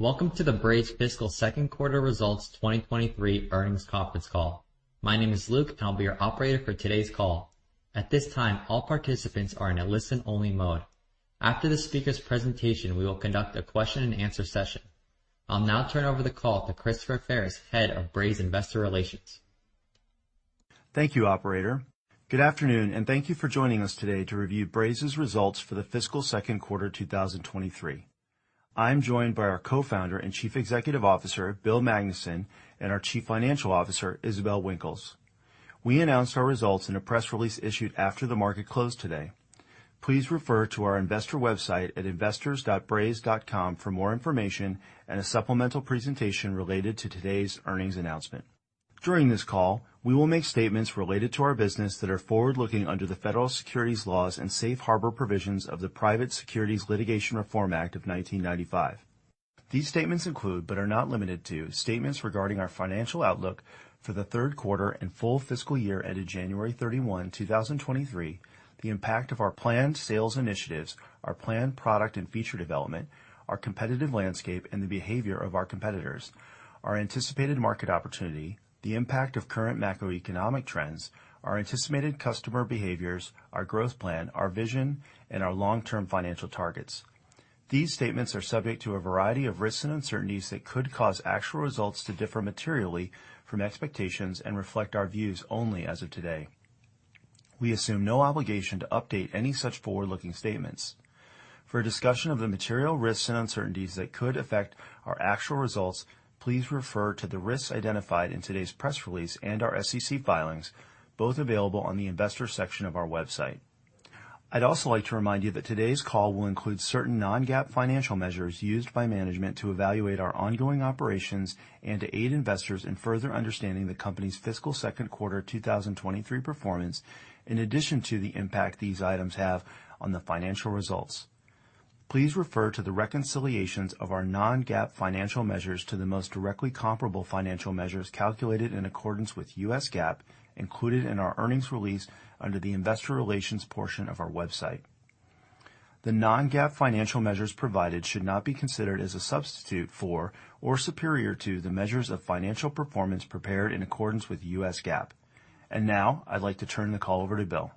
Welcome to the Braze Fiscal Second Quarter Results 2023 Earnings Conference Call. My name is Luke, and I'll be your operator for today's call. At this time, all participants are in a listen-only mode. After the speaker's presentation, we will conduct a question-and-answer session. I'll now turn over the call to Christopher Ferris, Head of Braze Investor Relations. Thank you, operator. Good afternoon, and thank you for joining us today to review Braze's results for the fiscal second quarter 2023. I'm joined by our co-founder and chief executive officer, Bill Magnuson, and our chief financial officer, Isabelle Winkles. We announced our results in a press release issued after the market closed today. Please refer to our investor website at investors.braze.com for more information and a supplemental presentation related to today's earnings announcement. During this call, we will make statements related to our business that are forward-looking under the federal securities laws and safe harbor provisions of the Private Securities Litigation Reform Act of 1995. These statements include, but are not limited to, statements regarding our financial outlook for the third quarter and full fiscal year ended January 31, 2023, the impact of our planned sales initiatives, our planned product and feature development, our competitive landscape, and the behavior of our competitors, our anticipated market opportunity, the impact of current macroeconomic trends, our anticipated customer behaviors, our growth plan, our vision, and our long-term financial targets. These statements are subject to a variety of risks and uncertainties that could cause actual results to differ materially from expectations and reflect our views only as of today. We assume no obligation to update any such forward-looking statements. For a discussion of the material risks and uncertainties that could affect our actual results, please refer to the risks identified in today's press release and our SEC filings, both available on the Investors section of our website. I'd also like to remind you that today's call will include certain non-GAAP financial measures used by management to evaluate our ongoing operations and to aid investors in further understanding the company's fiscal second quarter 2023 performance, in addition to the impact these items have on the financial results. Please refer to the reconciliations of our non-GAAP financial measures to the most directly comparable financial measures calculated in accordance with U.S. GAAP included in our earnings release under the Investor Relations portion of our website. The non-GAAP financial measures provided should not be considered as a substitute for or superior to the measures of financial performance prepared in accordance with U.S. GAAP. Now, I'd like to turn the call over to Bill.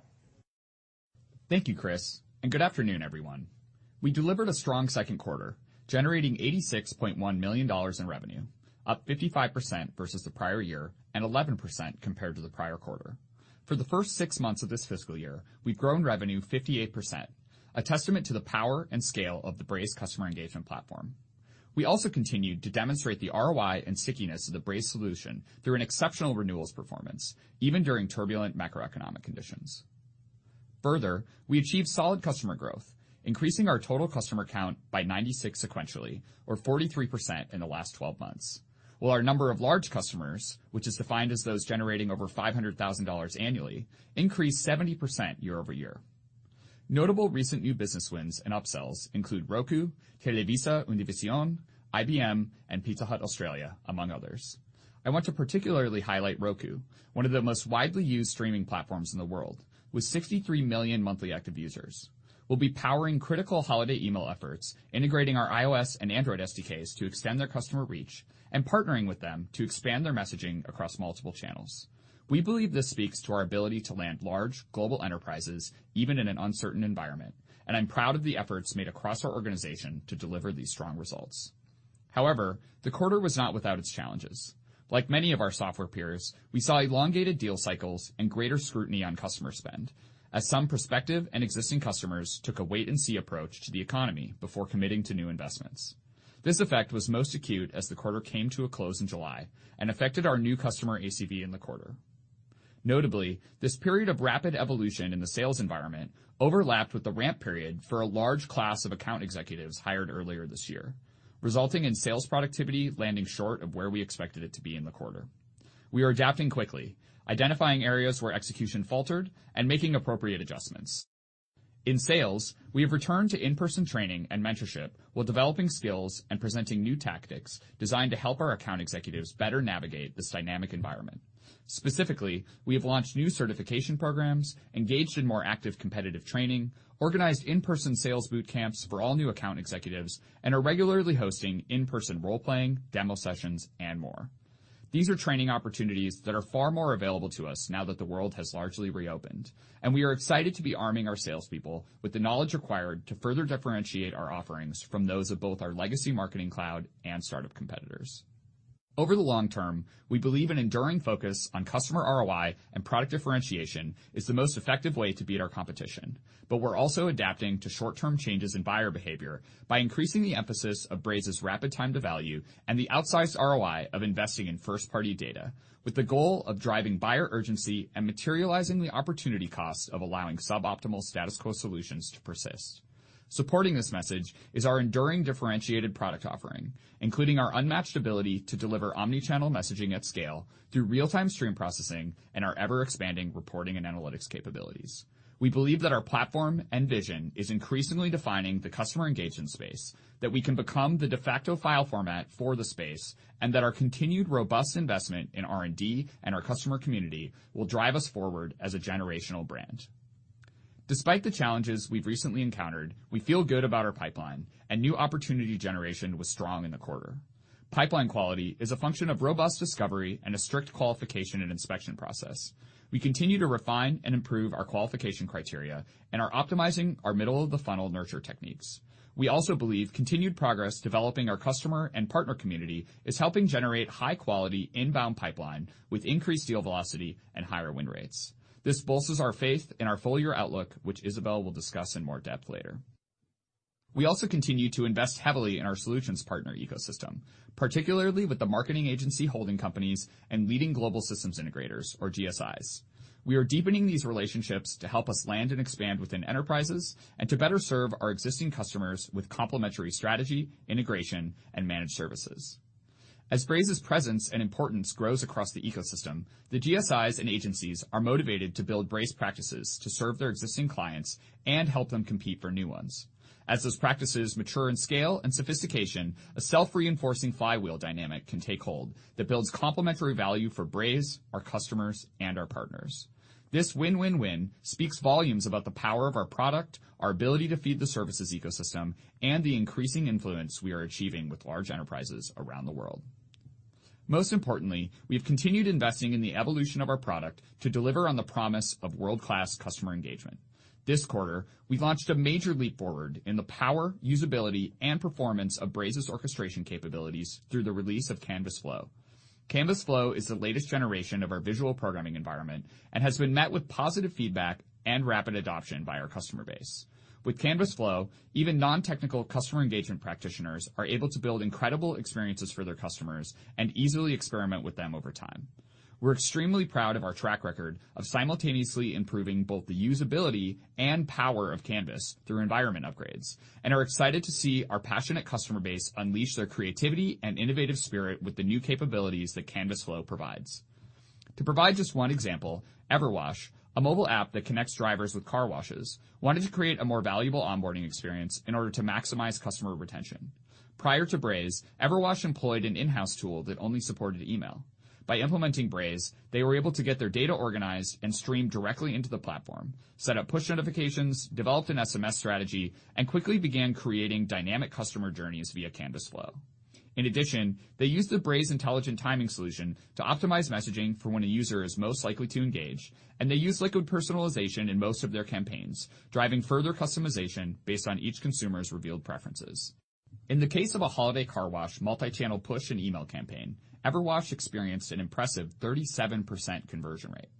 Thank you, Chris, and good afternoon, everyone. We delivered a strong second quarter, generating $86.1 million in revenue, up 55% versus the prior-year and 11% compared to the prior quarter. For the first six months of this fiscal year, we've grown revenue 58%, a testament to the power and scale of the Braze customer engagement platform. We also continued to demonstrate the ROI and stickiness of the Braze solution through an exceptional renewals performance, even during turbulent macroeconomic conditions. Further, we achieved solid customer growth, increasing our total customer count by 96 sequentially or 43% in the last 12 months. While our number of large customers, which is defined as those generating over $500,000 annually, increased 70% year-over-year. Notable recent new business wins and upsells include Roku, TelevisaUnivision, IBM, and Pizza Hut Australia, among others. I want to particularly highlight Roku, one of the most widely used streaming platforms in the world, with 63 million monthly active users. We'll be powering critical holiday email efforts, integrating our iOS and Android SDKs to extend their customer reach, and partnering with them to expand their messaging across multiple channels. We believe this speaks to our ability to land large global enterprises, even in an uncertain environment, and I'm proud of the efforts made across our organization to deliver these strong results. However, the quarter was not without its challenges. Like many of our software peers, we saw elongated deal cycles and greater scrutiny on customer spend, as some prospective and existing customers took a wait-and-see approach to the economy before committing to new investments. This effect was most acute as the quarter came to a close in July and affected our new customer ACV in the quarter. Notably, this period of rapid evolution in the sales environment overlapped with the ramp period for a large class of account executives hired earlier this year, resulting in sales productivity landing short of where we expected it to be in the quarter. We are adapting quickly, identifying areas where execution faltered, and making appropriate adjustments. In sales, we have returned to in-person training and mentorship while developing skills and presenting new tactics designed to help our account executives better navigate this dynamic environment. Specifically, we have launched new certification programs, engaged in more active competitive training, organized in-person sales boot camps for all new account executives, and are regularly hosting in-person role-playing, demo sessions, and more. These are training opportunities that are far more available to us now that the world has largely reopened, and we are excited to be arming our salespeople with the knowledge required to further differentiate our offerings from those of both our legacy marketing cloud and startup competitors. Over the long term, we believe an enduring focus on customer ROI and product differentiation is the most effective way to beat our competition. We're also adapting to short-term changes in buyer behavior by increasing the emphasis of Braze's rapid time to value and the outsized ROI of investing in first-party data, with the goal of driving buyer urgency and materializing the opportunity costs of allowing suboptimal status quo solutions to persist. Supporting this message is our enduring differentiated product offering, including our unmatched ability to deliver omni-channel messaging at scale through real-time stream processing and our ever-expanding reporting and analytics capabilities. We believe that our platform and vision is increasingly defining the customer engagement space, that we can become the de facto file format for the space, and that our continued robust investment in R&D and our customer community will drive us forward as a generational brand. Despite the challenges we've recently encountered, we feel good about our pipeline and new opportunity generation was strong in the quarter. Pipeline quality is a function of robust discovery and a strict qualification and inspection process. We continue to refine and improve our qualification criteria and are optimizing our middle-of-the-funnel nurture techniques. We also believe continued progress developing our customer and partner community is helping generate high-quality inbound pipeline with increased deal velocity and higher win rates. This bolsters our faith in our full-year outlook, which Isabelle will discuss in more depth later. We also continue to invest heavily in our solutions partner ecosystem, particularly with the marketing agency holding companies and leading global systems integrators or GSIs. We are deepening these relationships to help us land and expand within enterprises and to better serve our existing customers with complementary strategy, integration, and managed services. As Braze's presence and importance grows across the ecosystem, the GSIs and agencies are motivated to build Braze practices to serve their existing clients and help them compete for new ones. As those practices mature in scale and sophistication, a self-reinforcing flywheel dynamic can take hold that builds complementary value for Braze, our customers, and our partners. This win-win-win speaks volumes about the power of our product, our ability to feed the services ecosystem, and the increasing influence we are achieving with large enterprises around the world. Most importantly, we've continued investing in the evolution of our product to deliver on the promise of world-class customer engagement. This quarter, we launched a major leap forward in the power, usability, and performance of Braze's orchestration capabilities through the release of Canvas Flow. Canvas Flow is the latest generation of our visual programming environment and has been met with positive feedback and rapid adoption by our customer base. With Canvas Flow, even non-technical customer engagement practitioners are able to build incredible experiences for their customers and easily experiment with them over time. We're extremely proud of our track record of simultaneously improving both the usability and power of Canvas through environment upgrades and are excited to see our passionate customer base unleash their creativity and innovative spirit with the new capabilities that Canvas Flow provides. To provide just one example, EverWash, a mobile app that connects drivers with car washes, wanted to create a more valuable onboarding experience in order to maximize customer retention. Prior to Braze, EverWash employed an in-house tool that only supported email. By implementing Braze, they were able to get their data organized and streamed directly into the platform, set up push notifications, developed an SMS strategy, and quickly began creating dynamic customer journeys via Canvas Flow. In addition, they used the Braze Intelligent Timing solution to optimize messaging for when a user is most likely to engage, and they use Liquid personalization in most of their campaigns, driving further customization based on each consumer's revealed preferences. In the case of a holiday car wash multi-channel push and email campaign, EverWash experienced an impressive 37% conversion rate.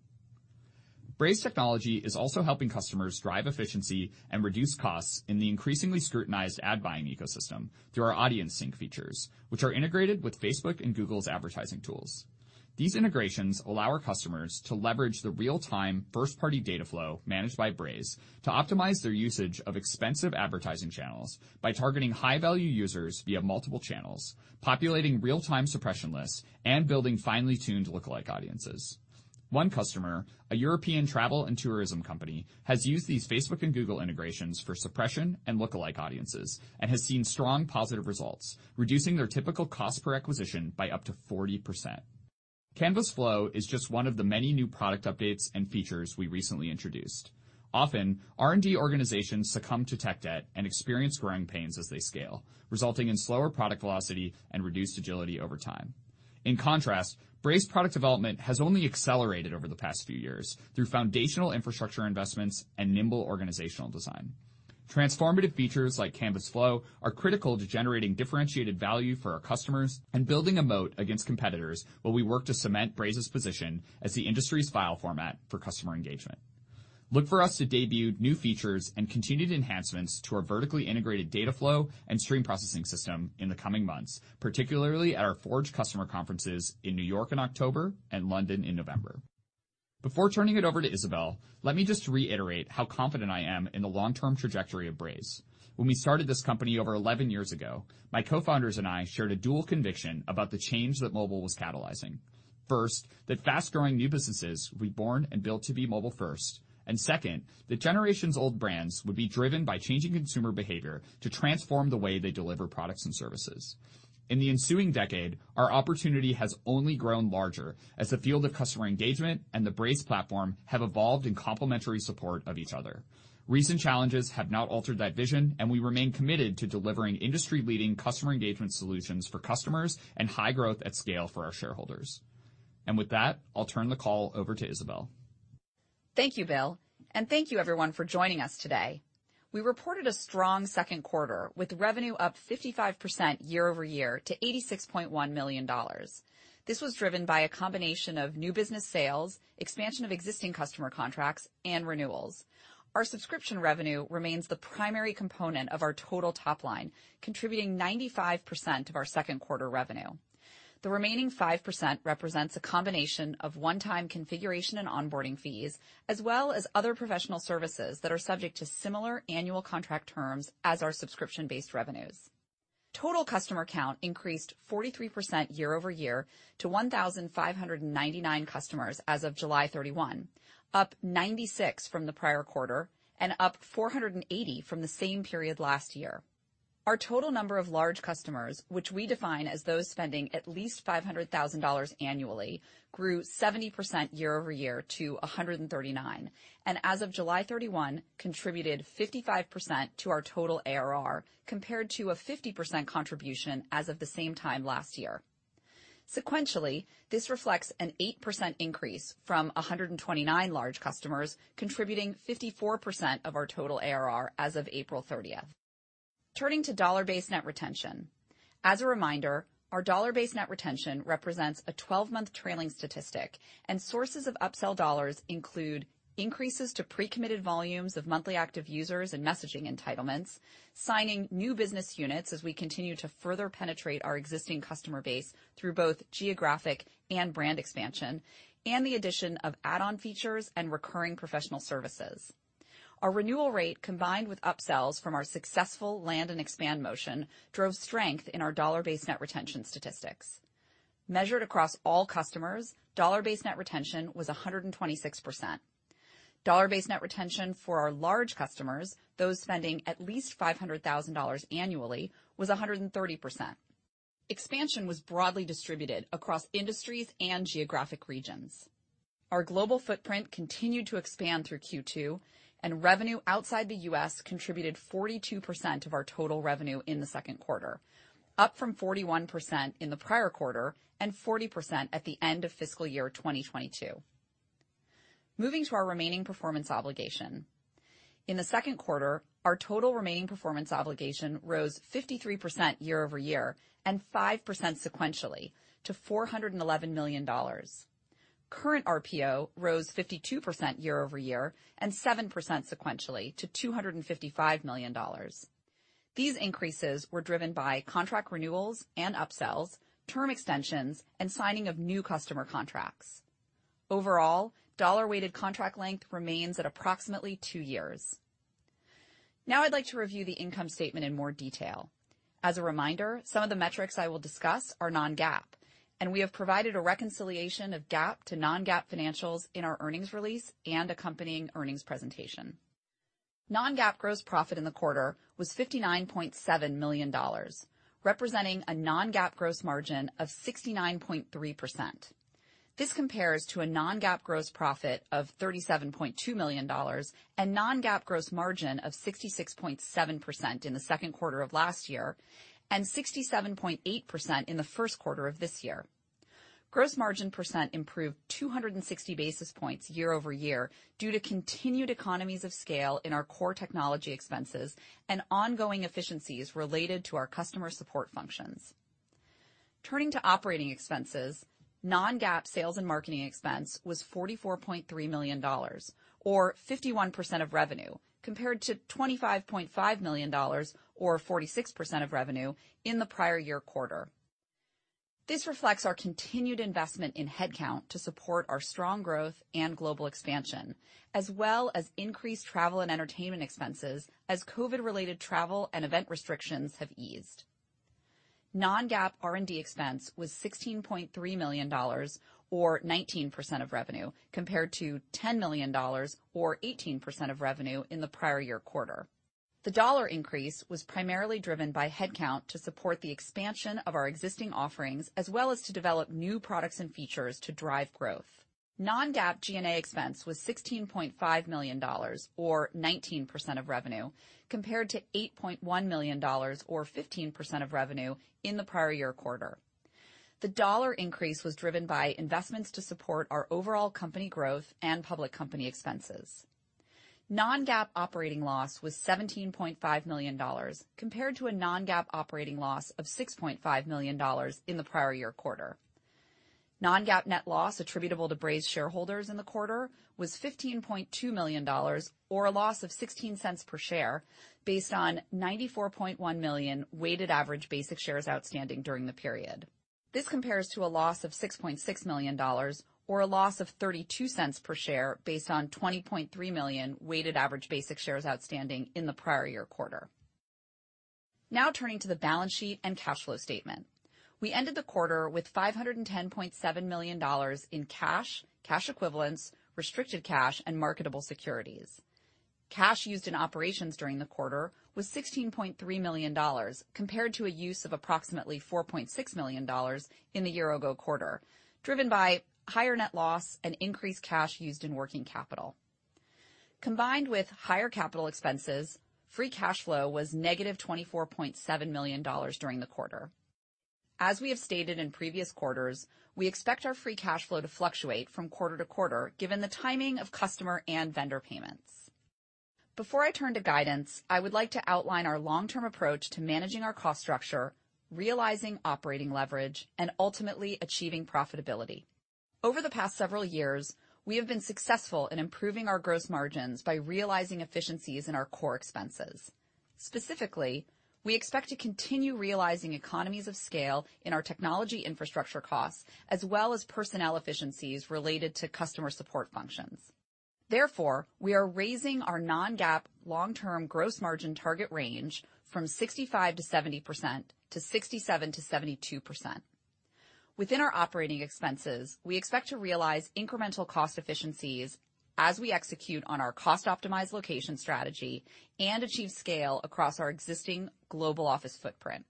Braze technology is also helping customers drive efficiency and reduce costs in the increasingly scrutinized ad buying ecosystem through our Audience Sync features, which are integrated with Facebook and Google's advertising tools. These integrations allow our customers to leverage the real-time first-party data flow managed by Braze to optimize their usage of expensive advertising channels by targeting high-value users via multiple channels, populating real-time suppression lists, and building finely tuned lookalike audiences. One customer, a European travel and tourism company, has used these Facebook and Google integrations for suppression and lookalike audiences and has seen strong positive results, reducing their typical cost per acquisition by up to 40%. Canvas Flow is just one of the many new product updates and features we recently introduced. Often, R&D organizations succumb to tech debt and experience growing pains as they scale, resulting in slower product velocity and reduced agility over time. In contrast, Braze product development has only accelerated over the past few years through foundational infrastructure investments and nimble organizational design. Transformative features like Canvas Flow are critical to generating differentiated value for our customers and building a moat against competitors while we work to cement Braze's position as the industry's file format for customer engagement. Look for us to debut new features and continued enhancements to our vertically integrated data flow and stream processing system in the coming months, particularly at our Forge customer conferences in New York in October and London in November. Before turning it over to Isabelle, let me just reiterate how confident I am in the long-term trajectory of Braze. When we started this company over 11 years ago, my co-founders and I shared a dual conviction about the change that mobile was catalyzing. First, that fast-growing new businesses will be born and built to be mobile first. Second, that generations' old brands would be driven by changing consumer behavior to transform the way they deliver products and services. In the ensuing decade, our opportunity has only grown larger as the field of customer engagement and the Braze platform have evolved in complementary support of each other. Recent challenges have not altered that vision, and we remain committed to delivering industry-leading customer engagement solutions for customers and high growth at scale for our shareholders. With that, I'll turn the call over to Isabelle. Thank you, Bill, and thank you everyone for joining us today. We reported a strong second quarter with revenue up 55% year-over-year to $86.1 million. This was driven by a combination of new business sales, expansion of existing customer contracts, and renewals. Our subscription revenue remains the primary component of our total top line, contributing 95% of our second quarter revenue. The remaining 5% represents a combination of one-time configuration and onboarding fees, as well as other professional services that are subject to similar annual contract terms as our subscription-based revenues. Total customer count increased 43% year-over-year to 1,599 customers as of July 31, up 96 from the prior quarter and up 480 from the same period last year. Our total number of large customers, which we define as those spending at least $500,000 annually, grew 70% year-over-year to 139, and as of July 31, contributed 55% to our total ARR, compared to a 50% contribution as of the same time last year. Sequentially, this reflects an 8% increase from 129 large customers, contributing 54% of our total ARR as of April 30. Turning to dollar-based net retention. As a reminder, our dollar-based net retention represents a 12-month trailing statistic, and sources of upsell dollars include increases to pre-committed volumes of monthly active users and messaging entitlements, signing new business units as we continue to further penetrate our existing customer base through both geographic and brand expansion, and the addition of add-on features and recurring professional services. Our renewal rate, combined with upsells from our successful land and expand motion, drove strength in our dollar-based net retention statistics. Measured across all customers, dollar-based net retention was 126%. Dollar-based net retention for our large customers, those spending at least $500,000 annually, was 130%. Expansion was broadly distributed across industries and geographic regions. Our global footprint continued to expand through Q2, and revenue outside the U.S. contributed 42% of our total revenue in the second quarter, up from 41% in the prior quarter and 40% at the end of fiscal year 2022. Moving to our remaining performance obligation. In the second quarter, our total remaining performance obligation rose 53% year-over-year and 5% sequentially to $411 million. Current RPO rose 52% year-over-year and 7% sequentially to $255 million. These increases were driven by contract renewals and upsells, term extensions, and signing of new customer contracts. Overall, dollar-weighted contract length remains at approximately two years. Now I'd like to review the income statement in more detail. As a reminder, some of the metrics I will discuss are non-GAAP, and we have provided a reconciliation of GAAP to non-GAAP financials in our earnings release and accompanying earnings presentation. Non-GAAP gross profit in the quarter was $59.7 million, representing a non-GAAP gross margin of 69.3%. This compares to a non-GAAP gross profit of $37.2 million and non-GAAP gross margin of 66.7% in the second quarter of last year and 67.8% in the first quarter of this year. Gross margin percent improved 260 basis points year-over-year due to continued economies of scale in our core technology expenses and ongoing efficiencies related to our customer support functions. Turning to operating expenses, non-GAAP sales and marketing expense was $44.3 million or 51% of revenue, compared to $25.5 million or 46% of revenue in the prior-year quarter. This reflects our continued investment in headcount to support our strong growth and global expansion, as well as increased travel and entertainment expenses as COVID-related travel and event restrictions have eased. Non-GAAP R&D expense was $16.3 million or 19% of revenue, compared to $10 million or 18% of revenue in the prior-year quarter. The dollar increase was primarily driven by headcount to support the expansion of our existing offerings, as well as to develop new products and features to drive growth. Non-GAAP G&A expense was $16.5 million or 19% of revenue, compared to $8.1 million or 15% of revenue in the prior-year quarter. The dollar increase was driven by investments to support our overall company growth and public company expenses. Non-GAAP operating loss was $17.5 million compared to a non-GAAP operating loss of $6.5 million in the prior-year quarter. Non-GAAP net loss attributable to Braze shareholders in the quarter was $15.2 million or a loss of $0.16 per share based on 94.1 million weighted average basic shares outstanding during the period. This compares to a loss of $6.6 million or a loss of $0.32 per share based on 20.3 million weighted average basic shares outstanding in the prior-year quarter. Now turning to the balance sheet and cash flow statement. We ended the quarter with $510.7 million in cash equivalents, restricted cash, and marketable securities. Cash used in operations during the quarter was $16.3 million compared to a use of approximately $4.6 million in the year ago quarter, driven by higher net loss and increased cash used in working capital. Combined with higher capital expenses, free cash flow was negative $24.7 million during the quarter. As we have stated in previous quarters, we expect our free cash flow to fluctuate from quarter to quarter given the timing of customer and vendor payments. Before I turn to guidance, I would like to outline our long-term approach to managing our cost structure, realizing operating leverage, and ultimately achieving profitability. Over the past several years, we have been successful in improving our gross margins by realizing efficiencies in our core expenses. Specifically, we expect to continue realizing economies of scale in our technology infrastructure costs, as well as personnel efficiencies related to customer support functions. Therefore, we are raising our non-GAAP long-term gross margin target range from 65% to 70% to 67% to 72%. Within our operating expenses, we expect to realize incremental cost efficiencies as we execute on our cost optimized location strategy and achieve scale across our existing global office footprint.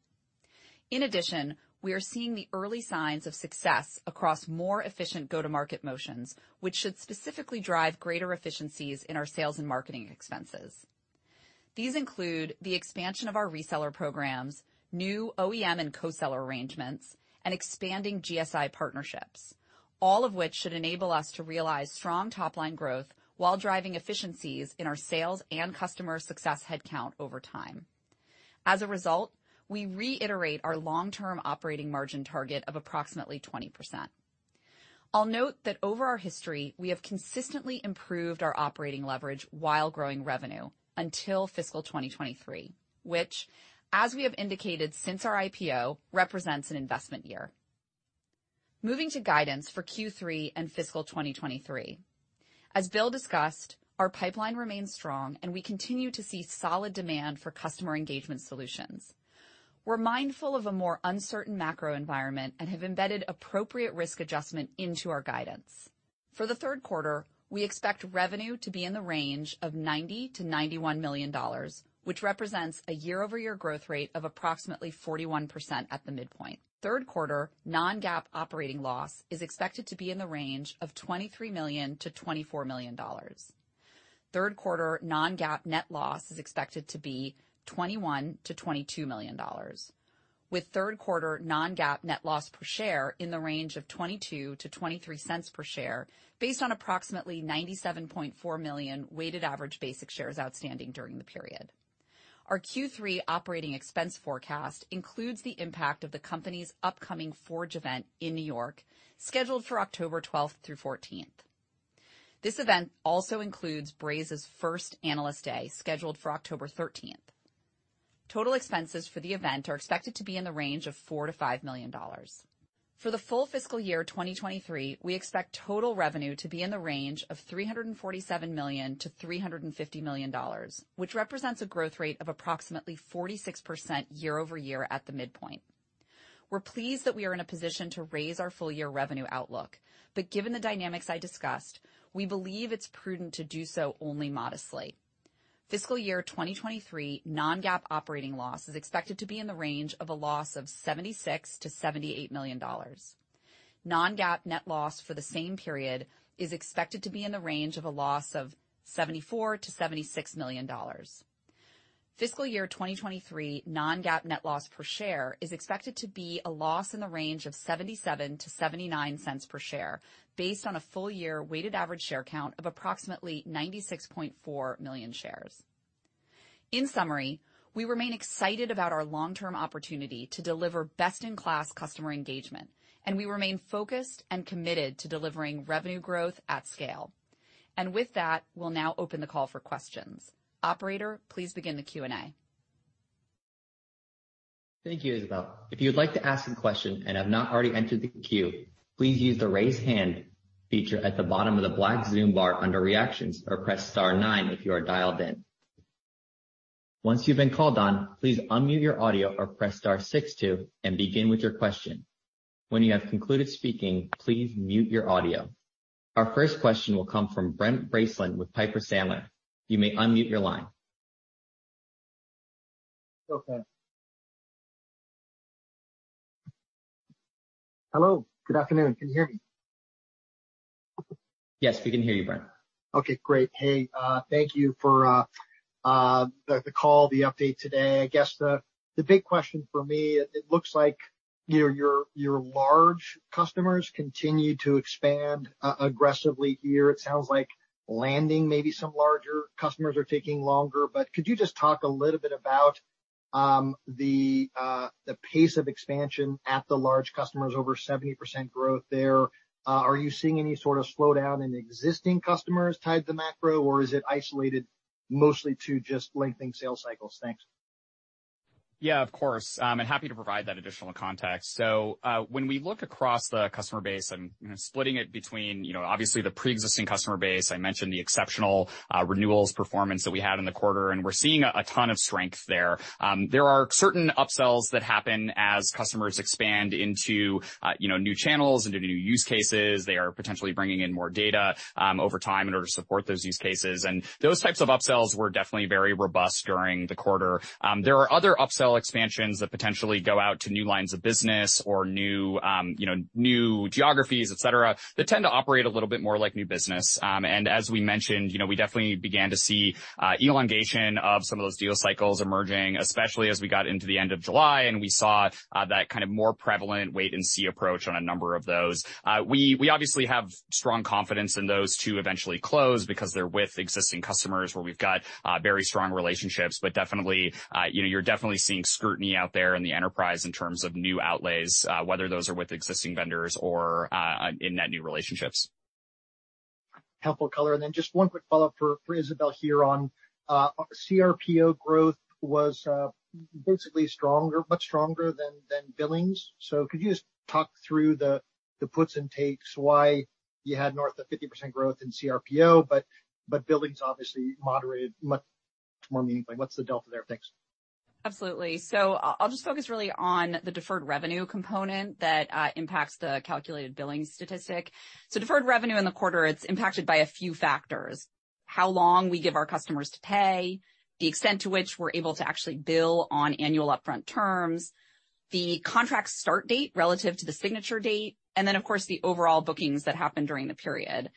In addition, we are seeing the early signs of success across more efficient go-to-market motions, which should specifically drive greater efficiencies in our sales and marketing expenses. These include the expansion of our reseller programs, new OEM and co-seller arrangements, and expanding GSI partnerships, all of which should enable us to realize strong top-line growth while driving efficiencies in our sales and customer success headcount over time. As a result, we reiterate our long-term operating margin target of approximately 20%. I'll note that over our history, we have consistently improved our operating leverage while growing revenue until fiscal 2023, which, as we have indicated since our IPO, represents an investment year. Moving to guidance for Q3 and fiscal 2023. As Bill discussed, our pipeline remains strong, and we continue to see solid demand for customer engagement solutions. We're mindful of a more uncertain macro environment and have embedded appropriate risk adjustment into our guidance. For the third quarter, we expect revenue to be in the range of $90 to $91 million, which represents a year-over-year growth rate of approximately 41% at the midpoint. Third quarter non-GAAP operating loss is expected to be in the range of $23 to $24 million. Third quarter non-GAAP net loss is expected to be $21 to $22 million, with third quarter non-GAAP net loss per share in the range of $0.22 to $0.23 per share, based on approximately 97.4 million weighted average basic shares outstanding during the period. Our Q3 operating expense forecast includes the impact of the company's upcoming Forge event in New York, scheduled for October 12th through fourteenth. This event also includes Braze's first Analyst Day, scheduled for October thirteenth. Total expenses for the event are expected to be in the range of $4 to $5 million. For the full fiscal year 2023, we expect total revenue to be in the range of $347 million to $350 million, which represents a growth rate of approximately 46% year-over-year at the midpoint. We're pleased that we are in a position to raise our full-year revenue outlook, but given the dynamics I discussed, we believe it's prudent to do so only modestly. Fiscal year 2023 non-GAAP operating loss is expected to be in the range of a loss of $76 million to $78 million. Non-GAAP net loss for the same period is expected to be in the range of a loss of $74 million to $76 million. Fiscal year 2023 non-GAAP net loss per share is expected to be a loss in the range of $0.77 to $0.79 per share, based on a full-year weighted average share count of approximately 96.4 million shares. In summary, we remain excited about our long-term opportunity to deliver best-in-class customer engagement, and we remain focused and committed to delivering revenue growth at scale. With that, we'll now open the call for questions. Operator, please begin the Q&A. Thank you, Isabelle. If you'd like to ask a question and have not already entered the queue, please use the "Raise Hand" feature at the bottom of the black Zoom bar under Reactions, or press star nine if you are dialed in. Once you've been called on, please unmute your audio or press star six, too, and begin with your question. When you have concluded speaking, please mute your audio. Our first question will come from Brent Bracelin with Piper Sandler. You may unmute your line. Okay. Hello. Good afternoon. Can you hear me? Yes, we can hear you, Brent. Okay, great. Hey, thank you for the call, the update today. I guess the big question for me, it looks like your large customers continue to expand aggressively here. It sounds like landing maybe some larger customers are taking longer. Could you just talk a little bit about the pace of expansion at the large customers, over 70% growth there? Are you seeing any sort of slowdown in existing customers tied to macro, or is it isolated mostly to just lengthening sales cycles? Thanks. Yeah, of course. Happy to provide that additional context. When we look across the customer base and, you know, splitting it between, you know, obviously the pre-existing customer base, I mentioned the exceptional renewals performance that we had in the quarter, and we're seeing a ton of strength there. There are certain upsells that happen as customers expand into, you know, new channels, into new use cases. They are potentially bringing in more data over time in order to support those use cases. Those types of upsells were definitely very robust during the quarter. There are other upsell expansions that potentially go out to new lines of business or new, you know, new geographies, et cetera, that tend to operate a little bit more like new business. As we mentioned, you know, we definitely began to see elongation of some of those deal cycles emerging, especially as we got into the end of July, and we saw that kind of more prevalent wait and see approach on a number of those. We obviously have strong confidence in those to eventually close because they're with existing customers where we've got very strong relationships. But definitely, you know, you're definitely seeing scrutiny out there in the enterprise in terms of new outlays, whether those are with existing vendors or in net new relationships. Helpful color. Just one quick follow-up for Isabelle here on cRPO growth was basically stronger, much stronger than billings. Could you just talk through the puts and takes why you had north of 50% growth in cRPO, but billings obviously moderated much more meaningfully? What's the delta there? Thanks. Absolutely. I'll just focus really on the deferred revenue component that impacts the calculated billing statistic. Deferred revenue in the quarter, it's impacted by a few factors: how long we give our customers to pay, the extent to which we're able to actually bill on annual upfront terms, the contract start date relative to the signature date, and then, of course, the overall bookings that happen during the period.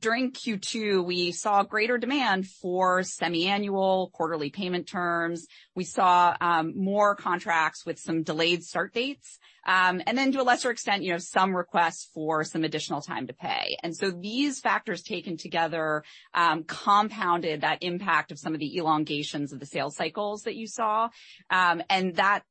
During Q2, we saw greater demand for semi-annual quarterly payment terms. We saw more contracts with some delayed start dates. And then to a lesser extent, you know, some requests for some additional time to pay. These factors taken together compounded that impact of some of the elongations of the sales cycles that you saw.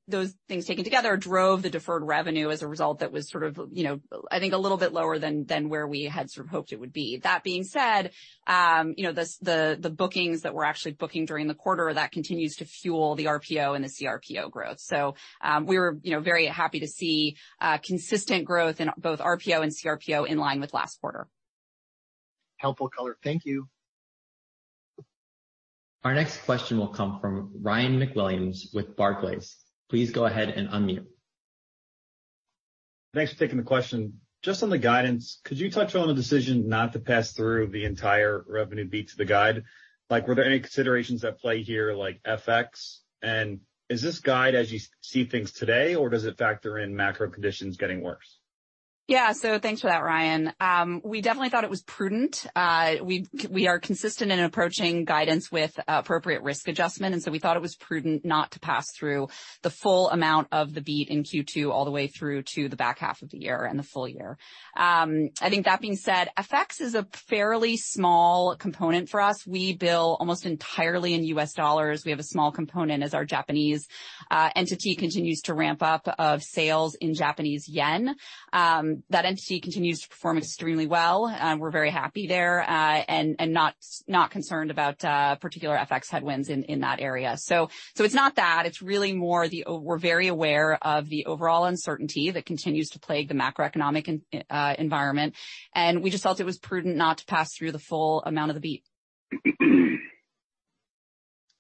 Those things taken together drove the deferred revenue as a result that was sort of, you know, I think a little bit lower than where we had sort of hoped it would be. That being said, you know, the bookings that we're actually booking during the quarter that continues to fuel the RPO and the cRPO growth. We were, you know, very happy to see consistent growth in both RPO and cRPO in line with last quarter. Helpful color. Thank you. Our next question will come from Ryan MacWilliams with Barclays. Please go ahead and unmute. Thanks for taking the question. Just on the guidance, could you touch on the decision not to pass through the entire revenue beat to the guide? Like, were there any considerations at play here like FX? Is this guide as you see things today, or does it factor in macro conditions getting worse? Yeah. Thanks for that, Ryan. We definitely thought it was prudent. We are consistent in approaching guidance with appropriate risk adjustment, and so we thought it was prudent not to pass through the full amount of the beat in Q2 all the way through to the back half of the year and the full-year. I think that being said, FX is a fairly small component for us. We bill almost entirely in U.S. dollars. We have a small component as our Japanese entity continues to ramp up of sales in Japanese yen. That entity continues to perform extremely well. We're very happy there, and not concerned about particular FX headwinds in that area. It's not that. We're very aware of the overall uncertainty that continues to plague the macroeconomic environment, and we just felt it was prudent not to pass through the full amount of the beat.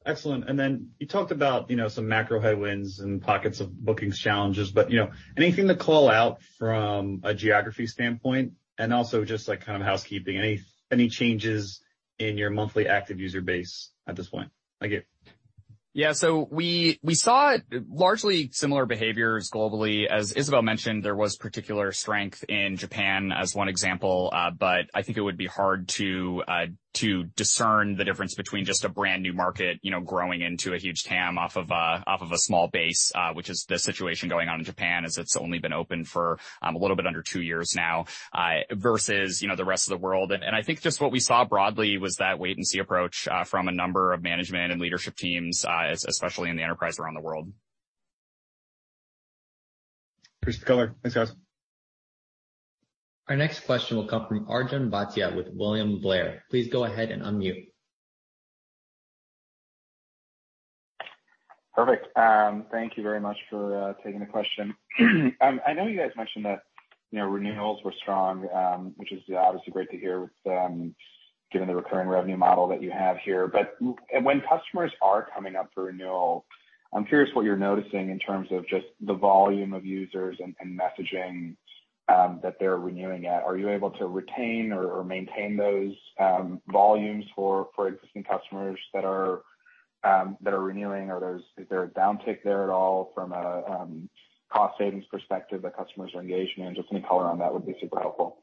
Excellent. Then you talked about, you know, some macro headwinds and pockets of bookings challenges, but, you know, anything to call out from a geography standpoint? Also just, like, kind of housekeeping, any changes in your monthly active user base at this point? Thank you. Yeah. We saw largely similar behaviors globally. As Isabelle mentioned, there was particular strength in Japan as one example. But I think it would be hard to discern the difference between just a brand new market, you know, growing into a huge TAM off of a small base, which is the situation going on in Japan, as it's only been open for a little bit under two years now, versus, you know, the rest of the world. I think just what we saw broadly was that wait and see approach from a number of management and leadership teams, especially in the enterprise around the world. Appreciate the color. Thanks, guys. Our next question will come from Arjun Bhatia with William Blair. Please go ahead and unmute. Perfect. Thank you very much for taking the question. I know you guys mentioned that, you know, renewals were strong, which is obviously great to hear, given the recurring revenue model that you have here. When customers are coming up for renewal, I'm curious what you're noticing in terms of just the volume of users and messaging that they're renewing at. Are you able to retain or maintain those volumes for existing customers that are renewing? Is there a downtick there at all from a cost savings perspective that customers are engaging in? Just any color on that would be super helpful.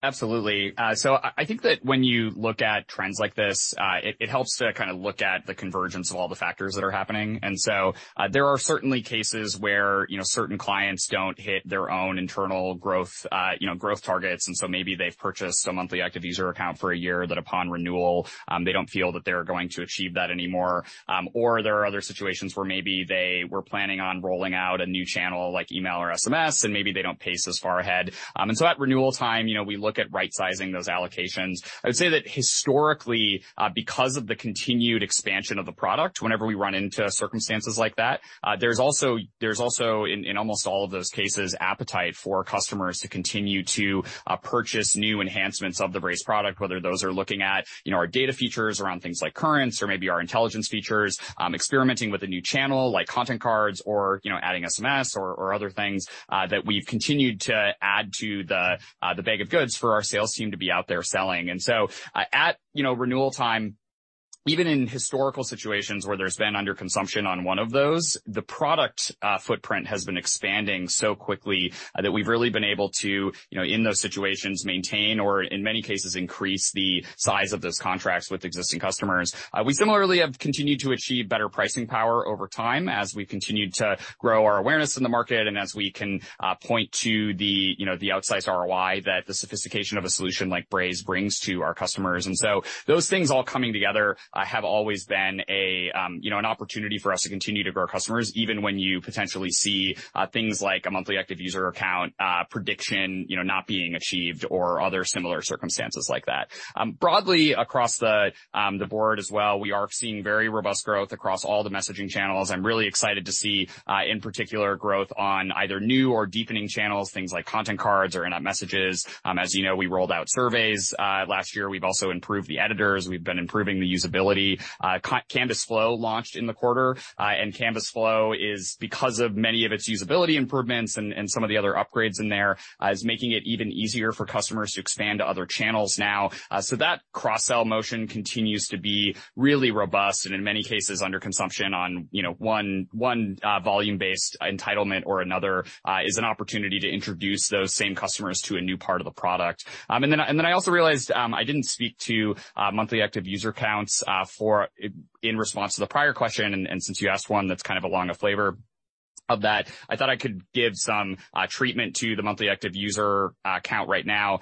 Absolutely. I think that when you look at trends like this, it helps to kind of look at the convergence of all the factors that are happening. There are certainly cases where, you know, certain clients don't hit their own internal growth targets, and so maybe they've purchased a monthly active user account for a year that upon renewal, they don't feel that they're going to achieve that anymore. There are other situations where maybe they were planning on rolling out a new channel like email or SMS, and maybe they don't pace as far ahead. At renewal time, you know, we look at right-sizing those allocations. I would say that historically, because of the continued expansion of the product, whenever we run into circumstances like that, there's also in almost all of those cases appetite for customers to continue to purchase new enhancements of the Braze product, whether those are looking at, you know, our data features around things like Currents or maybe our intelligence features, experimenting with a new channel like Content Cards or, you know, adding SMS or other things that we've continued to add to the bag of goods for our sales team to be out there selling. At renewal time, even in historical situations where there's been underconsumption on one of those, the product footprint has been expanding so quickly that we've really been able to, you know, in those situations, maintain or in many cases increase the size of those contracts with existing customers. We similarly have continued to achieve better pricing power over time as we've continued to grow our awareness in the market and as we can point to the, you know, the outsized ROI that the sophistication of a solution like Braze brings to our customers. Those things all coming together have always been a, you know, an opportunity for us to continue to grow our customers, even when you potentially see things like a monthly active user account prediction, you know, not being achieved or other similar circumstances like that. Broadly across the board as well, we are seeing very robust growth across all the messaging channels. I'm really excited to see in particular growth on either new or deepening channels, things like Content Cards or in-app messages. As you know, we rolled out surveys last year. We've also improved the editors. We've been improving the usability. Canvas Flow launched in the quarter. Canvas Flow is because of many of its usability improvements and some of the other upgrades in there is making it even easier for customers to expand to other channels now. That cross-sell motion continues to be really robust and in many cases under consumption on, you know, one volume-based entitlement or another is an opportunity to introduce those same customers to a new part of the product. I also realized I didn't speak to monthly active user counts in response to the prior question. Since you asked one that's kind of along the flavor of that, I thought I could give some treatment to the monthly active user count right now.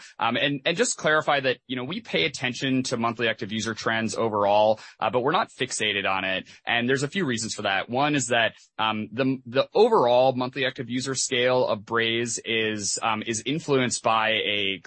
Just clarify that, you know, we pay attention to monthly active user trends overall, but we're not fixated on it. There's a few reasons for that. One is that, the overall monthly active user scale of Braze is influenced partially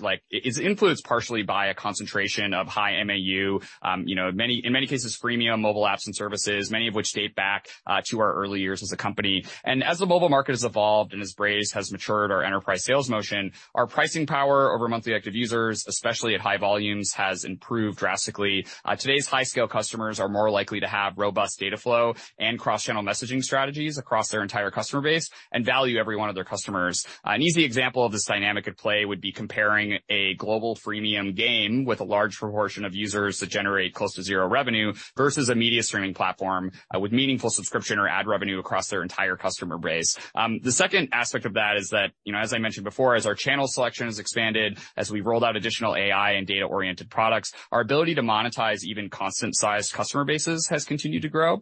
by a concentration of high MAU, you know, many, in many cases, freemium mobile apps and services, many of which date back to our early years as a company. As the mobile market has evolved and as Braze has matured our enterprise sales motion, our pricing power over monthly active users, especially at high volumes, has improved drastically. Today's high scale customers are more likely to have robust data flow and cross-channel messaging strategies across their entire customer base and value every one of their customers. An easy example of this dynamic at play would be comparing a global freemium game with a large proportion of users that generate close to zero revenue versus a media streaming platform with meaningful subscription or ad revenue across their entire customer base. The second aspect of that is that, you know, as I mentioned before, as our channel selection has expanded, as we've rolled out additional AI and data-oriented products, our ability to monetize even constant sized customer bases has continued to grow.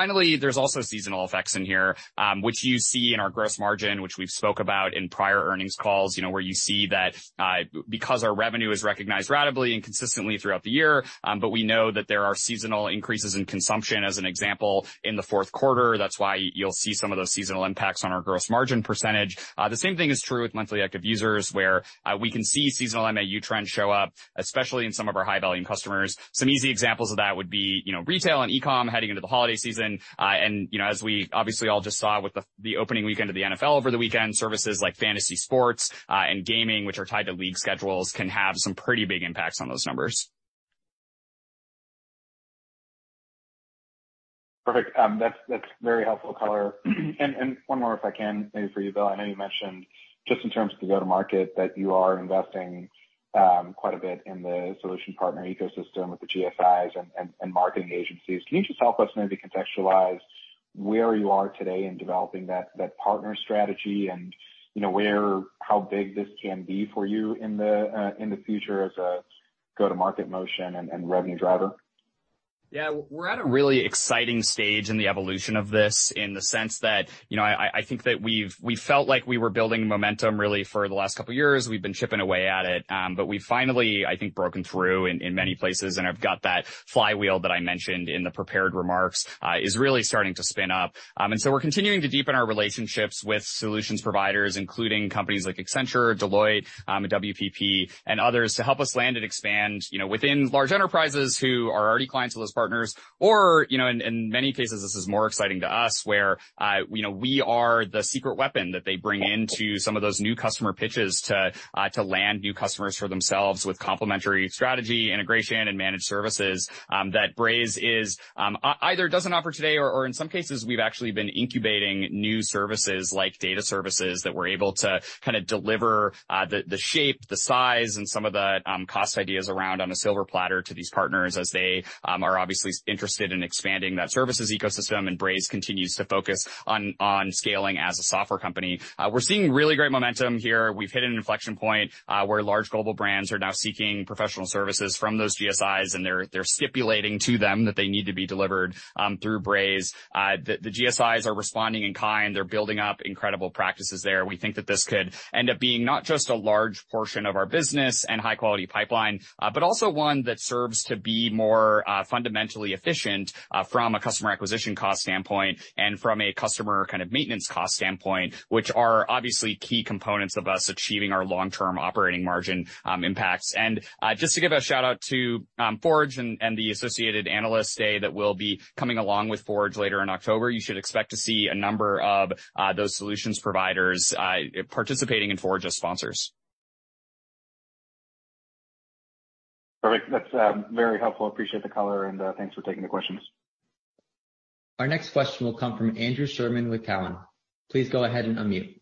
Finally, there's also seasonal effects in here, which you see in our gross margin, which we've spoken about in prior earnings calls, you know, where you see that, because our revenue is recognized ratably and consistently throughout the year, but we know that there are seasonal increases in consumption, as an example, in the fourth quarter. That's why you'll see some of those seasonal impacts on our gross margin percentage. The same thing is true with monthly active users, where, we can see seasonal MAU trends show up, especially in some of our high volume customers. Some easy examples of that would be, you know, retail and e-com heading into the holiday season. You know, as we obviously all just saw with the opening weekend of the NFL over the weekend, services like fantasy sports, and gaming, which are tied to league schedules, can have some pretty big impacts on those numbers. Perfect. That's very helpful color. One more if I can, maybe for you, Bill. I know you mentioned just in terms of the go-to-market, that you are investing quite a bit in the solution partner ecosystem with the GSIs and marketing agencies. Can you just help us maybe contextualize where you are today in developing that partner strategy and, you know, how big this can be for you in the future as a go-to-market motion and revenue driver? We're at a really exciting stage in the evolution of this, in the sense that, you know, I think that we felt like we were building momentum really for the last couple of years. We've been chipping away at it. We've finally, I think, broken through in many places. I've got that flywheel that I mentioned in the prepared remarks is really starting to spin up. We're continuing to deepen our relationships with solutions providers, including companies like Accenture, Deloitte, WPP, and others, to help us land and expand, you know, within large enterprises who are already clients of those partners. You know, in many cases, this is more exciting to us, where you know, we are the secret weapon that they bring into some of those new customer pitches to land new customers for themselves with complementary strategy, integration and managed services that Braze either doesn't offer today or in some cases, we've actually been incubating new services like data services that we're able to kind of deliver the shape, the size, and some of the cost ideas around on a silver platter to these partners as they are obviously interested in expanding that services ecosystem. Braze continues to focus on scaling as a software company. We're seeing really great momentum here. We've hit an inflection point, where large global brands are now seeking professional services from those GSIs, and they're stipulating to them that they need to be delivered through Braze. The GSIs are responding in kind. They're building up incredible practices there. We think that this could end up being not just a large portion of our business and high quality pipeline, but also one that serves to be more fundamentally efficient, from a customer acquisition cost standpoint and from a customer kind of maintenance cost standpoint, which are obviously key components of us achieving our long-term operating margin impacts. Just to give a shout out to Forge and the associated analyst day that will be coming along with Forge later in October, you should expect to see a number of those solutions providers participating in Forge as sponsors. Perfect. That's very helpful. Appreciate the color, and thanks for taking the questions. Our next question will come from Andrew Sherman with Cowen. Please go ahead and unmute.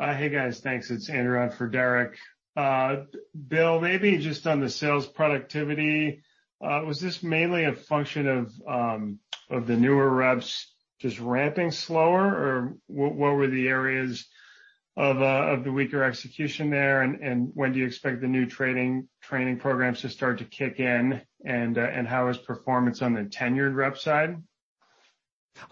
Hey, guys. Thanks. It's Andrew on for Derrick. Bill, maybe just on the sales productivity, was this mainly a function of the newer reps just ramping slower? Or what were the areas of the weaker execution there? When do you expect the new training programs to start to kick in? How is performance on the tenured rep side?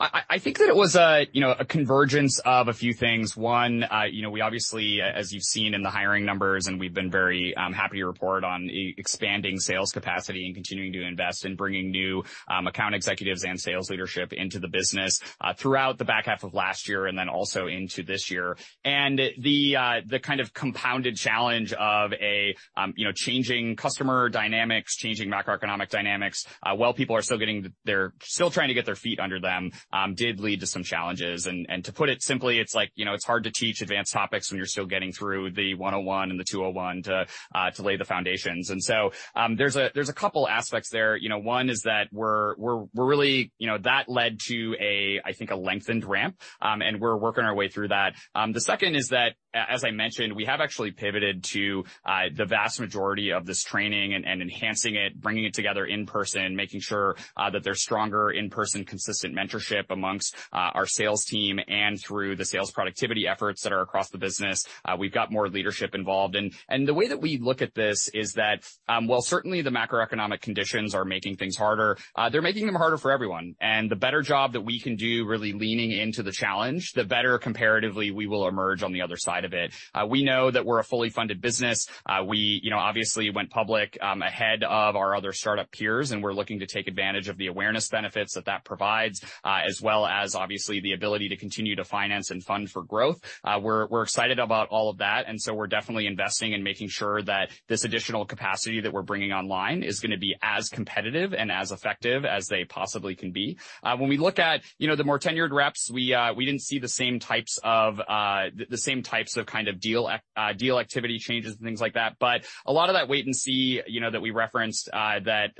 I think that it was, you know, a convergence of a few things. One, you know, we obviously, as you've seen in the hiring numbers, and we've been very happy to report on expanding sales capacity and continuing to invest in bringing new account executives and sales leadership into the business throughout the back half of last year and then also into this year. The kind of compounded challenge of, you know, changing customer dynamics, changing macroeconomic dynamics while people are still getting—they're still trying to get their feet under them did lead to some challenges. To put it simply, it's like, you know, it's hard to teach advanced topics when you're still getting through the 101 and the 201 to lay the foundations. There's a couple aspects there. You know, one is that we're really. You know, that led to, I think, a lengthened ramp, and we're working our way through that. The second is that as I mentioned, we have actually pivoted to the vast majority of this training and enhancing it, bringing it together in person, making sure that there's stronger in-person, consistent mentorship amongst our sales team and through the sales productivity efforts that are across the business. We've got more leadership involved. The way that we look at this is that while certainly the macroeconomic conditions are making things harder, they're making them harder for everyone. The better job that we can do really leaning into the challenge, the better comparatively we will emerge on the other side of it. We know that we're a fully funded business. We, you know, obviously went public ahead of our other startup peers, and we're looking to take advantage of the awareness benefits that that provides, as well as obviously the ability to continue to finance and fund for growth. We're excited about all of that, and so we're definitely investing and making sure that this additional capacity that we're bringing online is gonna be as competitive and as effective as they possibly can be. When we look at, you know, the more tenured reps, we didn't see the same types of kind of deal activity changes and things like that. A lot of that wait and see, you know, that we referenced, that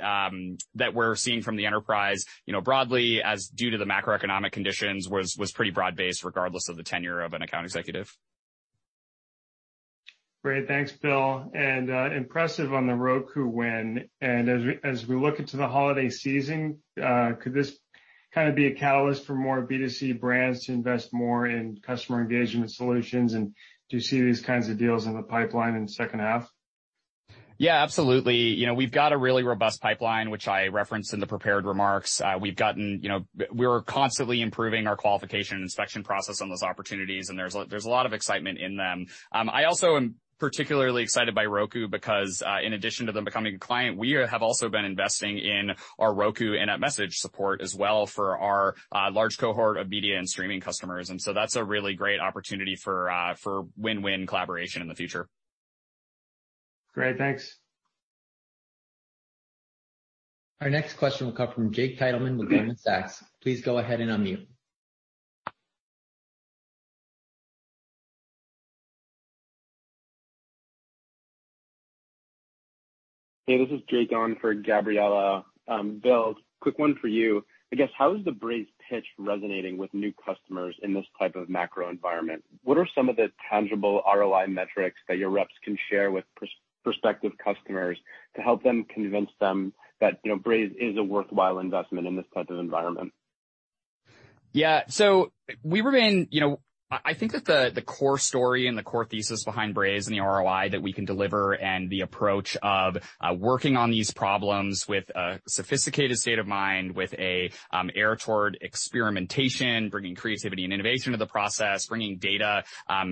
we're seeing from the enterprise, you know, broadly as due to the macroeconomic conditions was pretty broad-based regardless of the tenure of an account executive. Great. Thanks, Bill. Impressive on the Roku win. As we look into the holiday season, could this kind of be a catalyst for more B2C brands to invest more in customer engagement solutions? Do you see these kinds of deals in the pipeline in the second half? Yeah, absolutely. You know, we've got a really robust pipeline, which I referenced in the prepared remarks. You know, we're constantly improving our qualification and inspection process on those opportunities, and there's a lot of excitement in them. I also am particularly excited by Roku because, in addition to them becoming a client, we have also been investing in our Roku in-app message support as well for our large cohort of media and streaming customers. That's a really great opportunity for win-win collaboration in the future. Great. Thanks. Our next question will come from Jake Titleman with Goldman Sachs. Please go ahead and unmute. Hey, this is Jake on for Gabriela. Bill, quick one for you. I guess, how is the Braze pitch resonating with new customers in this type of macro environment? What are some of the tangible ROI metrics that your reps can share with prospective customers to help them convince them that, you know, Braze is a worthwhile investment in this type of environment? Yeah. We remain, you know, I think that the core story and the core thesis behind Braze and the ROI that we can deliver and the approach of working on these problems with a sophisticated state of mind, with an eye toward experimentation, bringing creativity and innovation to the process, bringing data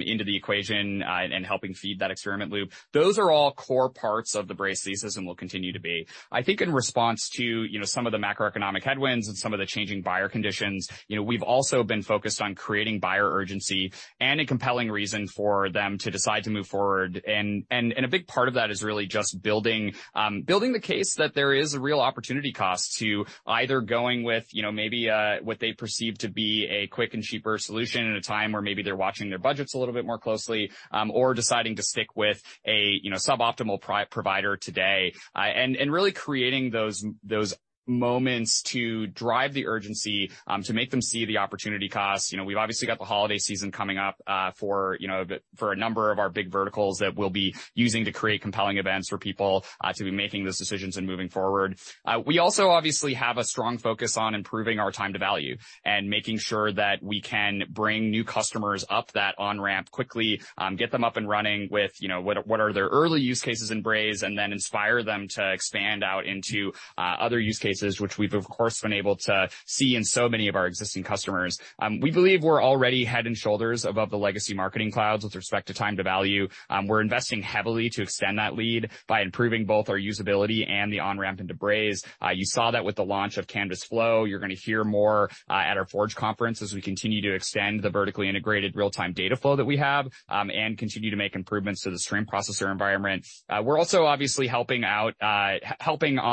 into the equation, and helping feed that experiment loop, those are all core parts of the Braze thesis and will continue to be. I think in response to, you know, some of the macroeconomic headwinds and some of the changing buyer conditions, you know, we've also been focused on creating buyer urgency and a compelling reason for them to decide to move forward. A big part of that is really just building the case that there is a real opportunity cost to either going with, you know, maybe what they perceive to be a quick and cheaper solution in a time where maybe they're watching their budgets a little bit more closely, or deciding to stick with a, you know, suboptimal provider today. Really creating those moments to drive the urgency to make them see the opportunity costs. You know, we've obviously got the holiday season coming up, for a number of our big verticals that we'll be using to create compelling events for people to be making those decisions and moving forward. We also obviously have a strong focus on improving our time to value and making sure that we can bring new customers up that on-ramp quickly, get them up and running with, you know, what are their early use cases in Braze, and then inspire them to expand out into other use cases, which we've of course been able to see in so many of our existing customers. We believe we're already head and shoulders above the legacy marketing clouds with respect to time to value. We're investing heavily to extend that lead by improving both our usability and the on-ramp into Braze. You saw that with the launch of Canvas Flow. You're gonna hear more at our Forge conference as we continue to extend the vertically integrated real-time data flow that we have and continue to make improvements to the stream processor environment. We're also obviously helping on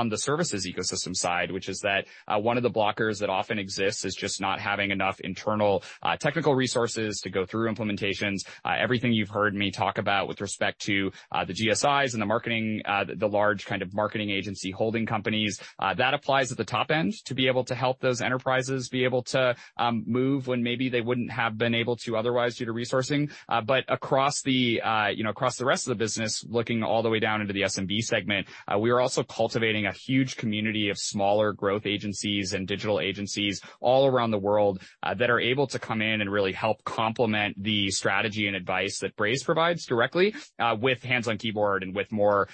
the services ecosystem side, which is that one of the blockers that often exists is just not having enough internal technical resources to go through implementations. Everything you've heard me talk about with respect to the GSIs and the marketing, the large kind of marketing agency holding companies, that applies at the top end to be able to help those enterprises be able to move when maybe they wouldn't have been able to otherwise due to resourcing. Across the rest of the business, looking all the way down into the SMB segment, we are also cultivating a huge community of smaller growth agencies and digital agencies all around the world that are able to come in and really help complement the strategy and advice that Braze provides directly with hands-on-keyboard and with more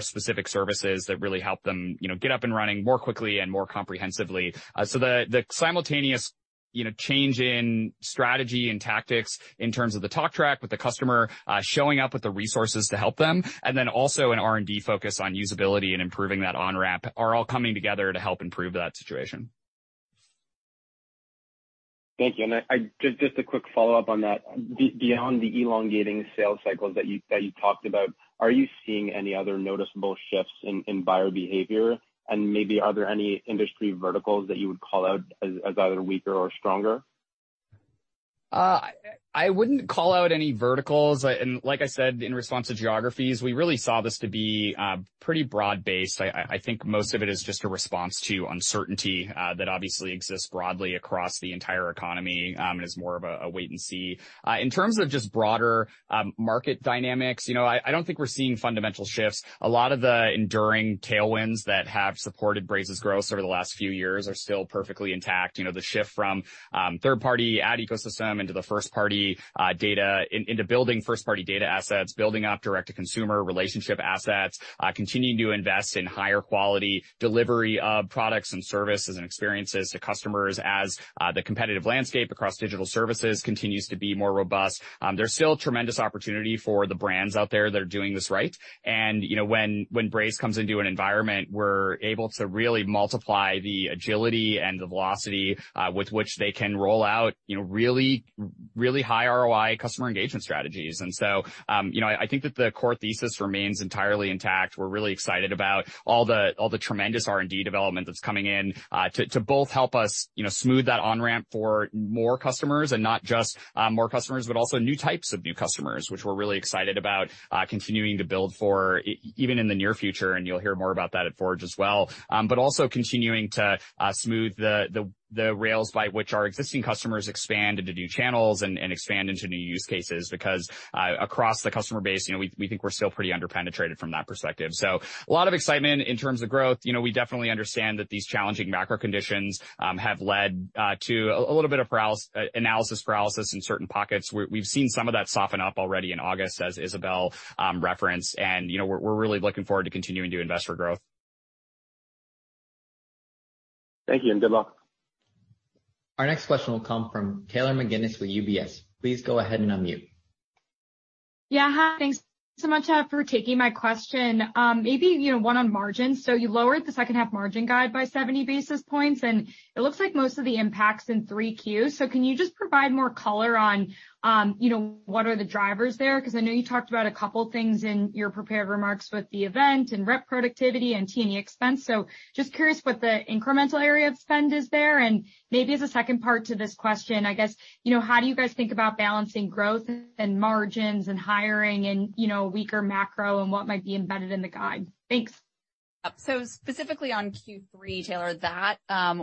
specific services that really help them, you know, get up and running more quickly and more comprehensively. The simultaneous, you know, change in strategy and tactics in terms of the talk track with the customer, showing up with the resources to help them, and then also an R&D focus on usability and improving that on-ramp are all coming together to help improve that situation. Thank you. I just a quick follow-up on that. Beyond the elongating sales cycles that you talked about, are you seeing any other noticeable shifts in buyer behavior? Maybe are there any industry verticals that you would call out as either weaker or stronger? I wouldn't call out any verticals. Like I said in response to geographies, we really saw this to be pretty broad-based. I think most of it is just a response to uncertainty that obviously exists broadly across the entire economy, and is more of a wait and see. In terms of just broader market dynamics, you know, I don't think we're seeing fundamental shifts. A lot of the enduring tailwinds that have supported Braze's growth over the last few years are still perfectly intact. You know, the shift from third-party ad ecosystem into the first-party data into building first-party data assets, building up direct-to-consumer relationship assets, continuing to invest in higher quality delivery of products and services and experiences to customers as the competitive landscape across digital services continues to be more robust. There's still tremendous opportunity for the brands out there that are doing this right. You know, when Braze comes into an environment, we're able to really multiply the agility and the velocity with which they can roll out, you know, really, really high ROI customer engagement strategies. You know, I think that the core thesis remains entirely intact. We're really excited about all the tremendous R&D development that's coming in to both help us, you know, smooth that on-ramp for more customers, and not just more customers, but also new types of new customers, which we're really excited about continuing to build for even in the near future, and you'll hear more about that at Forge as well. But also continuing to smooth the rails by which our existing customers expand into new channels and expand into new use cases because across the customer base, you know, we think we're still pretty under-penetrated from that perspective. A lot of excitement in terms of growth. We definitely understand that these challenging macro conditions have led to a little bit of analysis paralysis in certain pockets. We've seen some of that soften up already in August, as Isabelle referenced. You know, we're really looking forward to continuing to invest for growth. Thank you, and good luck. Our next question will come from Taylor McGinnis with UBS. Please go ahead and unmute. Yeah. Hi. Thanks so much for taking my question. Maybe, you know, one on margins. You lowered the second half margin guide by 70 basis points, and it looks like most of the impact's in 3Q. Can you just provide more color on, you know, what are the drivers there? 'Cause I know you talked about a couple things in your prepared remarks with the event and rep productivity and T&E expense. Just curious what the incremental area of spend is there. Maybe as a second part to this question, I guess, you know, how do you guys think about balancing growth and margins and hiring and, you know, weaker macro and what might be embedded in the guide? Thanks. Specifically on Q3, Taylor, that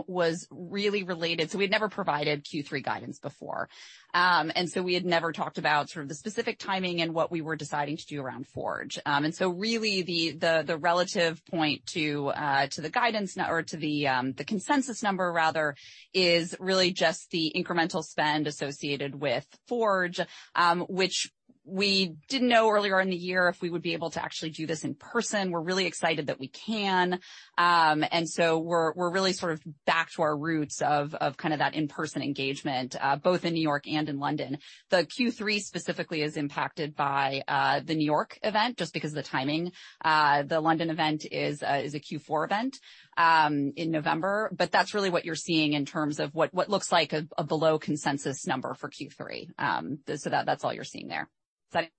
was really related. We'd never provided Q3 guidance before. We had never talked about sort of the specific timing and what we were deciding to do around Forge. Really the relative point to the guidance or to the consensus number rather is really just the incremental spend associated with Forge, which we didn't know earlier in the year if we would be able to actually do this in person. We're really excited that we can. We're really sort of back to our roots of kind of that in-person engagement both in New York and in London. The Q3 specifically is impacted by the New York event just because of the timing. The London event is a Q4 event in November, but that's really what you're seeing in terms of what looks like a below consensus number for Q3. That's all you're seeing there. Does that-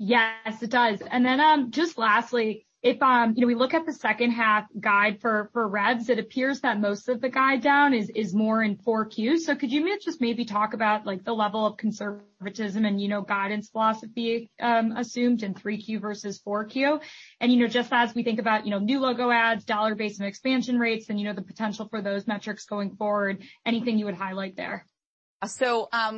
Yes, it does. Then, just lastly, if, you know, we look at the second half guide for revs, it appears that most of the guide down is more in 4Q. So could you just maybe talk about like the level of conservatism and, you know, guidance philosophy, assumed in 3Q versus 4Q? You know, just as we think about, you know, new logo adds, dollar-based and expansion rates and, you know, the potential for those metrics going forward, anything you would highlight there?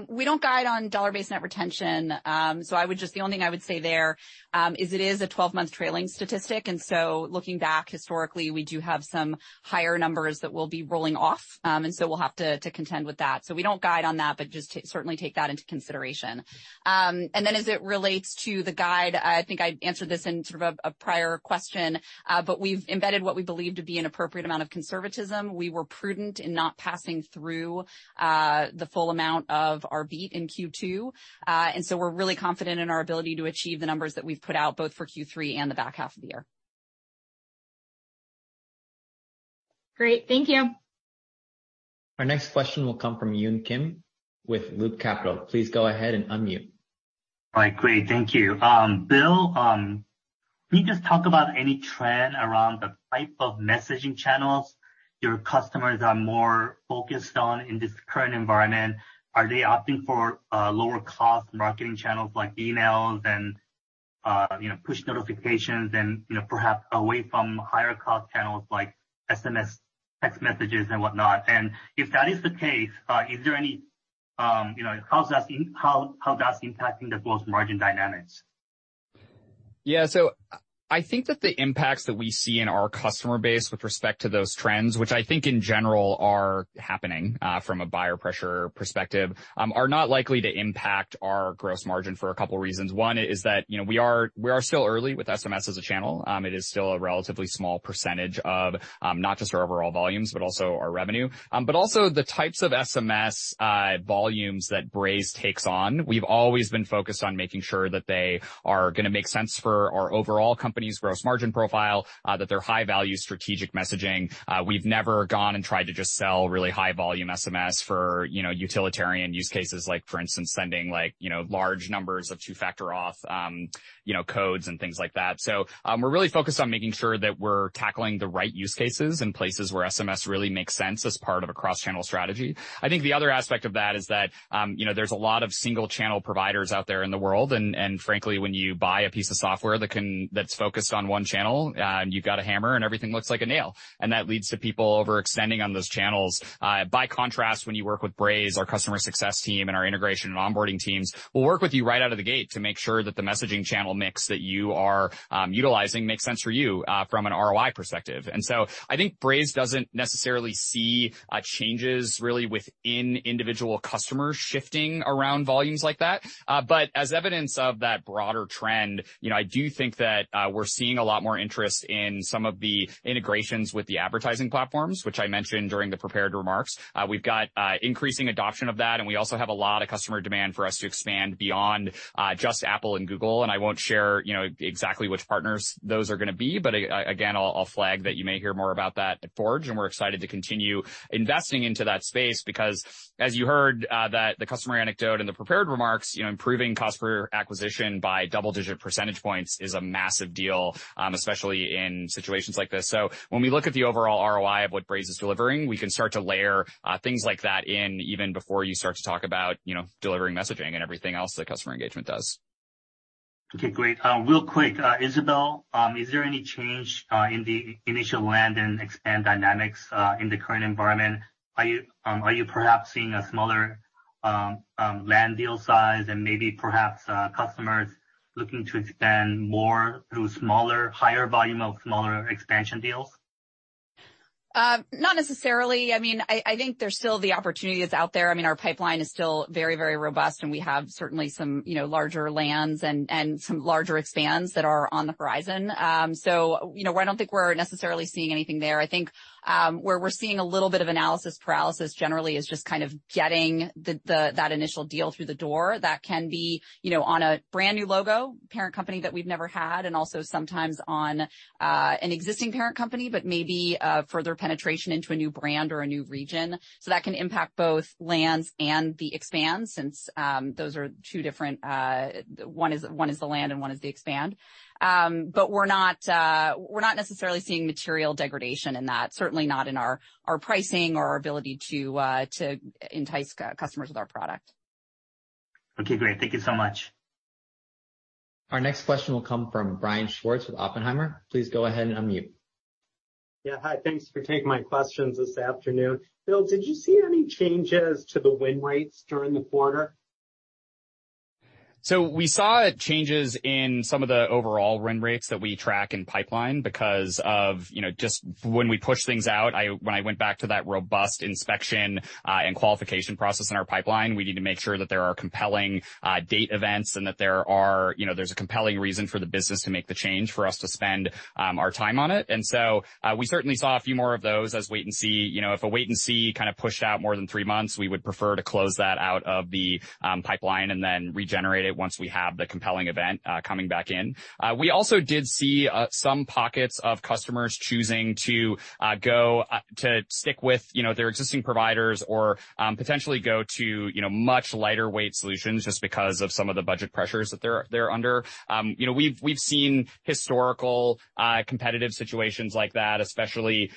We don't guide on dollar-based net retention. The only thing I would say there is it is a 12-month trailing statistic, and looking back historically, we do have some higher numbers that we'll be rolling off, and we'll have to contend with that. We don't guide on that, but just to certainly take that into consideration. Then as it relates to the guide, I think I answered this in sort of a prior question, but we've embedded what we believe to be an appropriate amount of conservatism. We were prudent in not passing through the full amount of our beat in Q2. We're really confident in our ability to achieve the numbers that we've put out both for Q3 and the back half of the year. Great. Thank you. Our next question will come from Yun Kim with Loop Capital. Please go ahead and unmute. All right, great. Thank you. Bill, can you just talk about any trend around the type of messaging channels your customers are more focused on in this current environment? Are they opting for lower cost marketing channels like emails and you know, push notifications and you know, perhaps away from higher cost channels like SMS text messages and whatnot? If that is the case, is there any you know, how that's impacting the gross margin dynamics? Yeah. I think that the impacts that we see in our customer base with respect to those trends, which I think in general are happening, from a buyer pressure perspective, are not likely to impact our gross margin for a couple reasons. One is that, you know, we are still early with SMS as a channel. It is still a relatively small percentage of, not just our overall volumes, but also our revenue. Also the types of SMS volumes that Braze takes on, we've always been focused on making sure that they are gonna make sense for our overall company's gross margin profile, that they're high-value strategic messaging. We've never gone and tried to just sell really high volume SMS for, you know, utilitarian use cases, like for instance, sending like, you know, large numbers of two-factor auth, you know, codes and things like that. We're really focused on making sure that we're tackling the right use cases in places where SMS really makes sense as part of a cross-channel strategy. I think the other aspect of that is that, you know, there's a lot of single channel providers out there in the world and frankly, when you buy a piece of software that's focused on one channel, you've got a hammer and everything looks like a nail, and that leads to people overextending on those channels. By contrast, when you work with Braze, our customer success team and our integration and onboarding teams will work with you right out of the gate to make sure that the messaging channel mix that you are utilizing makes sense for you from an ROI perspective. I think Braze doesn't necessarily see changes really within individual customers shifting around volumes like that. As evidence of that broader trend, you know, I do think that we're seeing a lot more interest in some of the integrations with the advertising platforms, which I mentioned during the prepared remarks. We've got increasing adoption of that, and we also have a lot of customer demand for us to expand beyond just Apple and Google. I won't share, you know, exactly which partners those are gonna be, but again, I'll flag that you may hear more about that at Forge, and we're excited to continue investing into that space because as you heard, that the customer anecdote and the prepared remarks, you know, improving customer acquisition by double-digit percentage points is a massive deal, especially in situations like this. When we look at the overall ROI of what Braze is delivering, we can start to layer things like that in even before you start to talk about, you know, delivering messaging and everything else that customer engagement does. Okay, great. Real quick, Isabelle, is there any change in the initial land and expand dynamics in the current environment? Are you perhaps seeing a smaller land deal size and maybe perhaps customers looking to expand more through smaller, higher volume of smaller expansion deals? Not necessarily. I mean, I think there's still the opportunity that's out there. I mean, our pipeline is still very, very robust, and we have certainly some, you know, larger lands and some larger expands that are on the horizon. You know, I don't think we're necessarily seeing anything there. I think, where we're seeing a little bit of analysis paralysis generally is just kind of getting that initial deal through the door that can be, you know, on a brand-new logo, parent company that we've never had, and also sometimes on an existing parent company, but maybe further penetration into a new brand or a new region. That can impact both lands and the expands since those are two different, one is the land, and one is the expand. We're not necessarily seeing material degradation in that, certainly not in our pricing or our ability to entice customers with our product. Okay, great. Thank you so much. Our next question will come from Brian Schwartz with Oppenheimer. Please go ahead and unmute. Yeah, hi. Thanks for taking my questions this afternoon. Bill, did you see any changes to the win rates during the quarter? We saw changes in some of the overall win rates that we track in pipeline because of, you know, just when we push things out, when I went back to that robust inspection and qualification process in our pipeline, we need to make sure that there are compelling date events and that there are, you know, there's a compelling reason for the business to make the change for us to spend our time on it. We certainly saw a few more of those as wait and see. You know, if a wait and see kind of pushed out more than three months, we would prefer to close that out of the pipeline and then regenerate it once we have the compelling event coming back in. We also did see some pockets of customers choosing to stick with, you know, their existing providers or potentially go to, you know, much lighter weight solutions just because of some of the budget pressures that they're under. You know, we've seen historical competitive situations like that, especially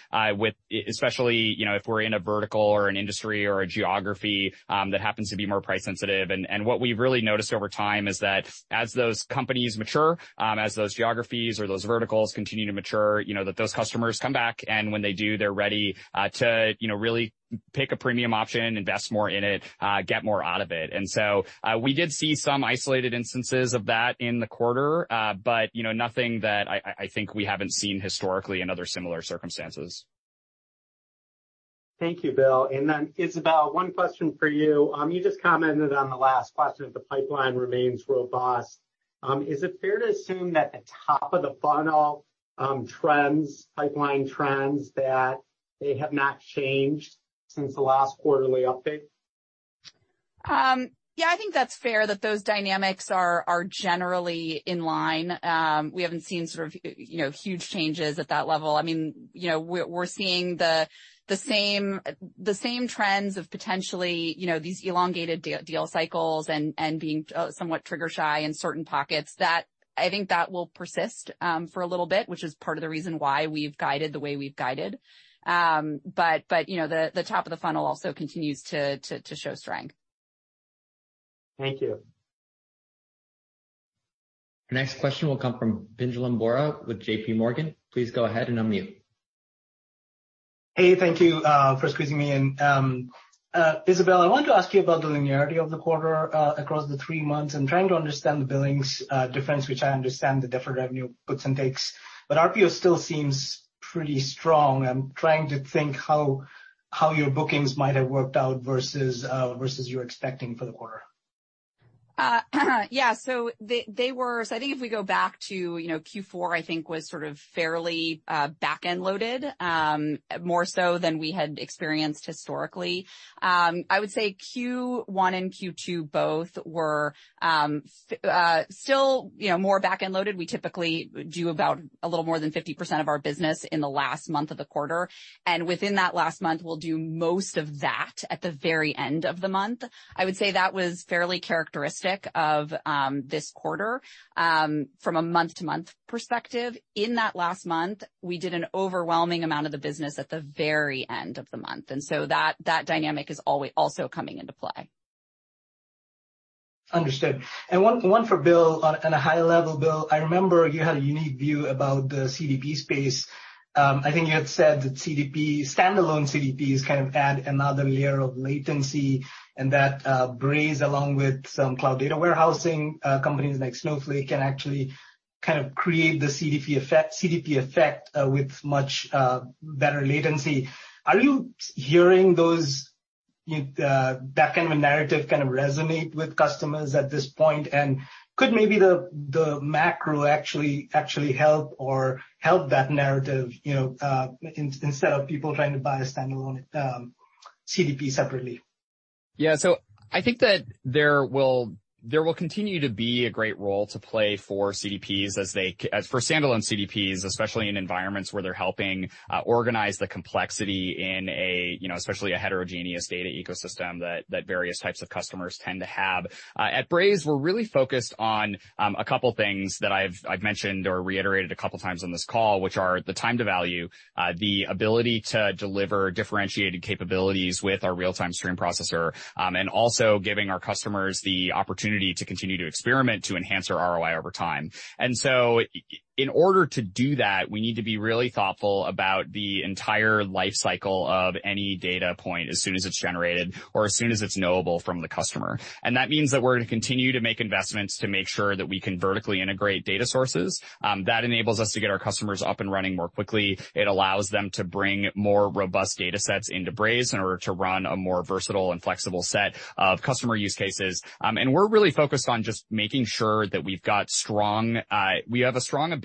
you know, if we're in a vertical or an industry or a geography that happens to be more price sensitive. What we've really noticed over time is that as those companies mature, as those geographies or those verticals continue to mature, you know, that those customers come back, and when they do, they're ready to, you know, really pick a premium option, invest more in it, get more out of it. We did see some isolated instances of that in the quarter, but, you know, nothing that I think we haven't seen historically in other similar circumstances. Thank you, Bill. Isabelle, one question for you. You just commented on the last question that the pipeline remains robust. Is it fair to assume that the top of the funnel pipeline trends that they have not changed since the last quarterly update? Yeah, I think that's fair that those dynamics are generally in line. We haven't seen sort of, you know, huge changes at that level. I mean, you know, we're seeing the same trends of potentially, you know, these elongated deal cycles and being somewhat trigger shy in certain pockets that I think that will persist for a little bit, which is part of the reason why we've guided the way we've guided. You know, the top of the funnel also continues to show strength. Thank you. The next question will come from Pinjalim Bora with J.P. Morgan. Please go ahead and unmute. Hey, thank you for squeezing me in. Isabelle, I wanted to ask you about the linearity of the quarter across the three months and trying to understand the billings difference, which I understand the deferred revenue puts and takes. RPO still seems pretty strong. I'm trying to think how your bookings might have worked out versus you expecting for the quarter. I think if we go back to you know Q4 I think was sort of fairly back-end loaded more so than we had experienced historically. I would say Q1 and Q2 both were still you know more back-end loaded. We typically do about a little more than 50% of our business in the last month of the quarter, and within that last month, we'll do most of that at the very end of the month. I would say that was fairly characteristic of this quarter from a month-to-month perspective. In that last month, we did an overwhelming amount of the business at the very end of the month, and that dynamic is also coming into play. Understood. One for Bill. On a high level, Bill, I remember you had a unique view about the CDP space. I think you had said that CDP, standalone CDPs kind of add another layer of latency and that Braze, along with some cloud data warehousing companies like Snowflake can actually kind of create the CDP effect with much better latency. Are you hearing those that kind of a narrative kind of resonate with customers at this point? Could maybe the macro actually help that narrative, you know, instead of people trying to buy a standalone CDP separately? Yeah. So I think that there will continue to be a great role to play for CDPs for standalone CDPs, especially in environments where they're helping organize the complexity in a, you know, especially a heterogeneous data ecosystem that various types of customers tend to have. At Braze, we're really focused on a couple things that I've mentioned or reiterated a couple times on this call, which are the time to value, the ability to deliver differentiated capabilities with our real-time stream processor, and also giving our customers the opportunity to continue to experiment to enhance our ROI over time. In order to do that, we need to be really thoughtful about the entire life cycle of any data point as soon as it's generated or as soon as it's knowable from the customer. That means that we're gonna continue to make investments to make sure that we can vertically integrate data sources that enables us to get our customers up and running more quickly. It allows them to bring more robust data sets into Braze in order to run a more versatile and flexible set of customer use cases. We're really focused on just making sure that we have a strong ability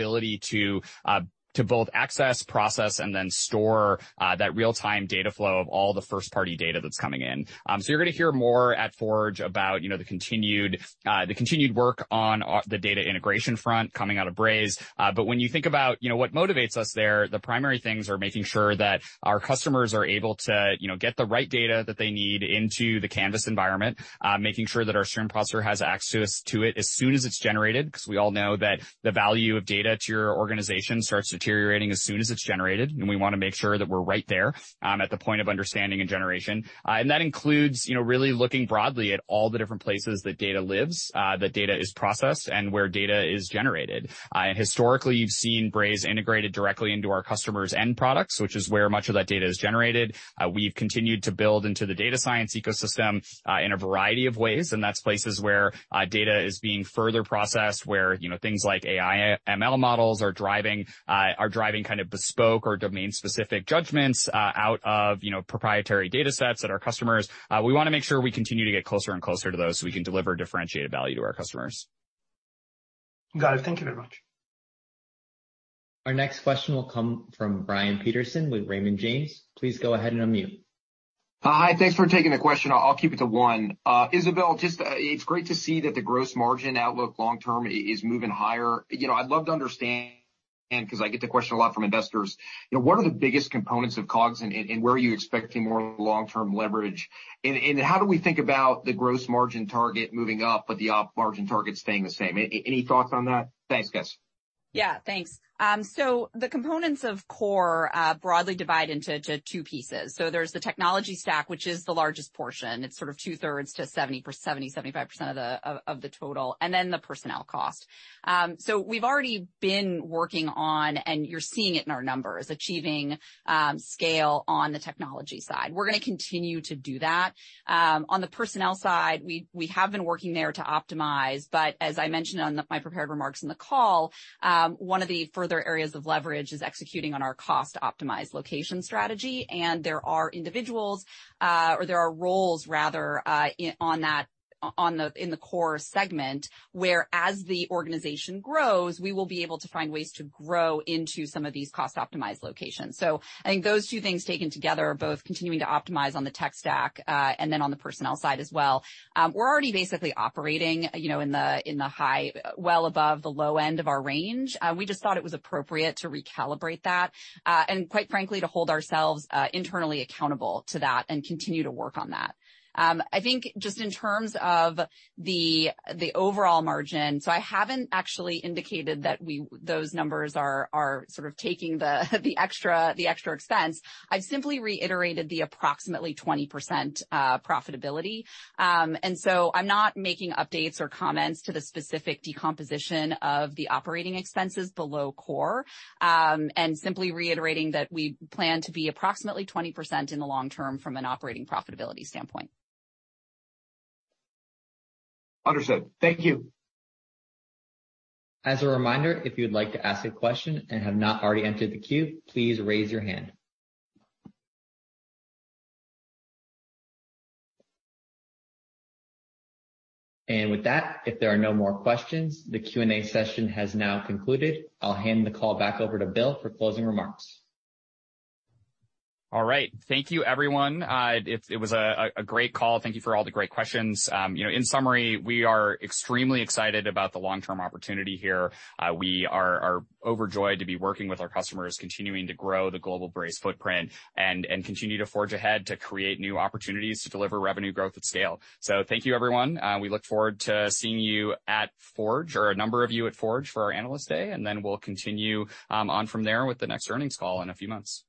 to both access, process, and then store that real-time data flow of all the first-party data that's coming in. You're gonna hear more at Forge about the continued work on the data integration front coming out of Braze. When you think about, you know, what motivates us there, the primary things are making sure that our customers are able to, you know, get the right data that they need into the Canvas environment, making sure that our stream processor has access to it as soon as it's generated, 'cause we all know that the value of data to your organization starts deteriorating as soon as it's generated, and we wanna make sure that we're right there, at the point of understanding and generation. That includes, you know, really looking broadly at all the different places that data lives, that data is processed and where data is generated. Historically, you've seen Braze integrated directly into our customers' end products, which is where much of that data is generated. We've continued to build into the data science ecosystem in a variety of ways, and that's places where data is being further processed, where, you know, things like AI, ML models are driving kind of bespoke or domain-specific judgments out of, you know, proprietary data sets that our customers. We wanna make sure we continue to get closer and closer to those so we can deliver differentiated value to our customers. Got it. Thank you very much. Our next question will come from Brian Peterson with Raymond James. Please go ahead and unmute. Hi. Thanks for taking the question. I'll keep it to one. Isabelle, just, it's great to see that the gross margin outlook long term is moving higher. You know, I'd love to understand, 'cause I get the question a lot from investors, you know, what are the biggest components of COGS and where are you expecting more long-term leverage? How do we think about the gross margin target moving up, but the op margin target staying the same? Any thoughts on that? Thanks, guys. Yeah, thanks. The components of core broadly divide into two pieces. There's the technology stack, which is the largest portion. It's sort of two-thirds to 70-75% of the total, and then the personnel cost. We've already been working on, and you're seeing it in our numbers, achieving scale on the technology side. We're gonna continue to do that. On the personnel side, we have been working there to optimize, but as I mentioned in my prepared remarks in the call, one of the further areas of leverage is executing on our cost optimized location strategy. There are individuals, or there are roles rather, in the core segment, whereas the organization grows, we will be able to find ways to grow into some of these cost optimized locations. I think those two things taken together are both continuing to optimize on the tech stack, and then on the personnel side as well. We're already basically operating, you know, in the high, well above the low end of our range. We just thought it was appropriate to recalibrate that, and quite frankly, to hold ourselves internally accountable to that and continue to work on that. I think just in terms of the overall margin, I haven't actually indicated that those numbers are sort of taking the extra expense. I've simply reiterated the approximately 20% profitability. I'm not making updates or comments to the specific decomposition of the operating expenses below core, and simply reiterating that we plan to be approximately 20% in the long term from an operating profitability standpoint. Understood. Thank you. As a reminder, if you'd like to ask a question and have not already entered the queue, please raise your hand. With that, if there are no more questions, the Q&A session has now concluded. I'll hand the call back over to Bill for closing remarks. All right. Thank you, everyone. It was a great call. Thank you for all the great questions. You know, in summary, we are extremely excited about the long-term opportunity here. We are overjoyed to be working with our customers, continuing to grow the global Braze footprint and continue to forge ahead to create new opportunities to deliver revenue growth at scale. Thank you, everyone. We look forward to seeing you at Forge or a number of you at Forge for our Analyst Day, and then we'll continue on from there with the next earnings call in a few months.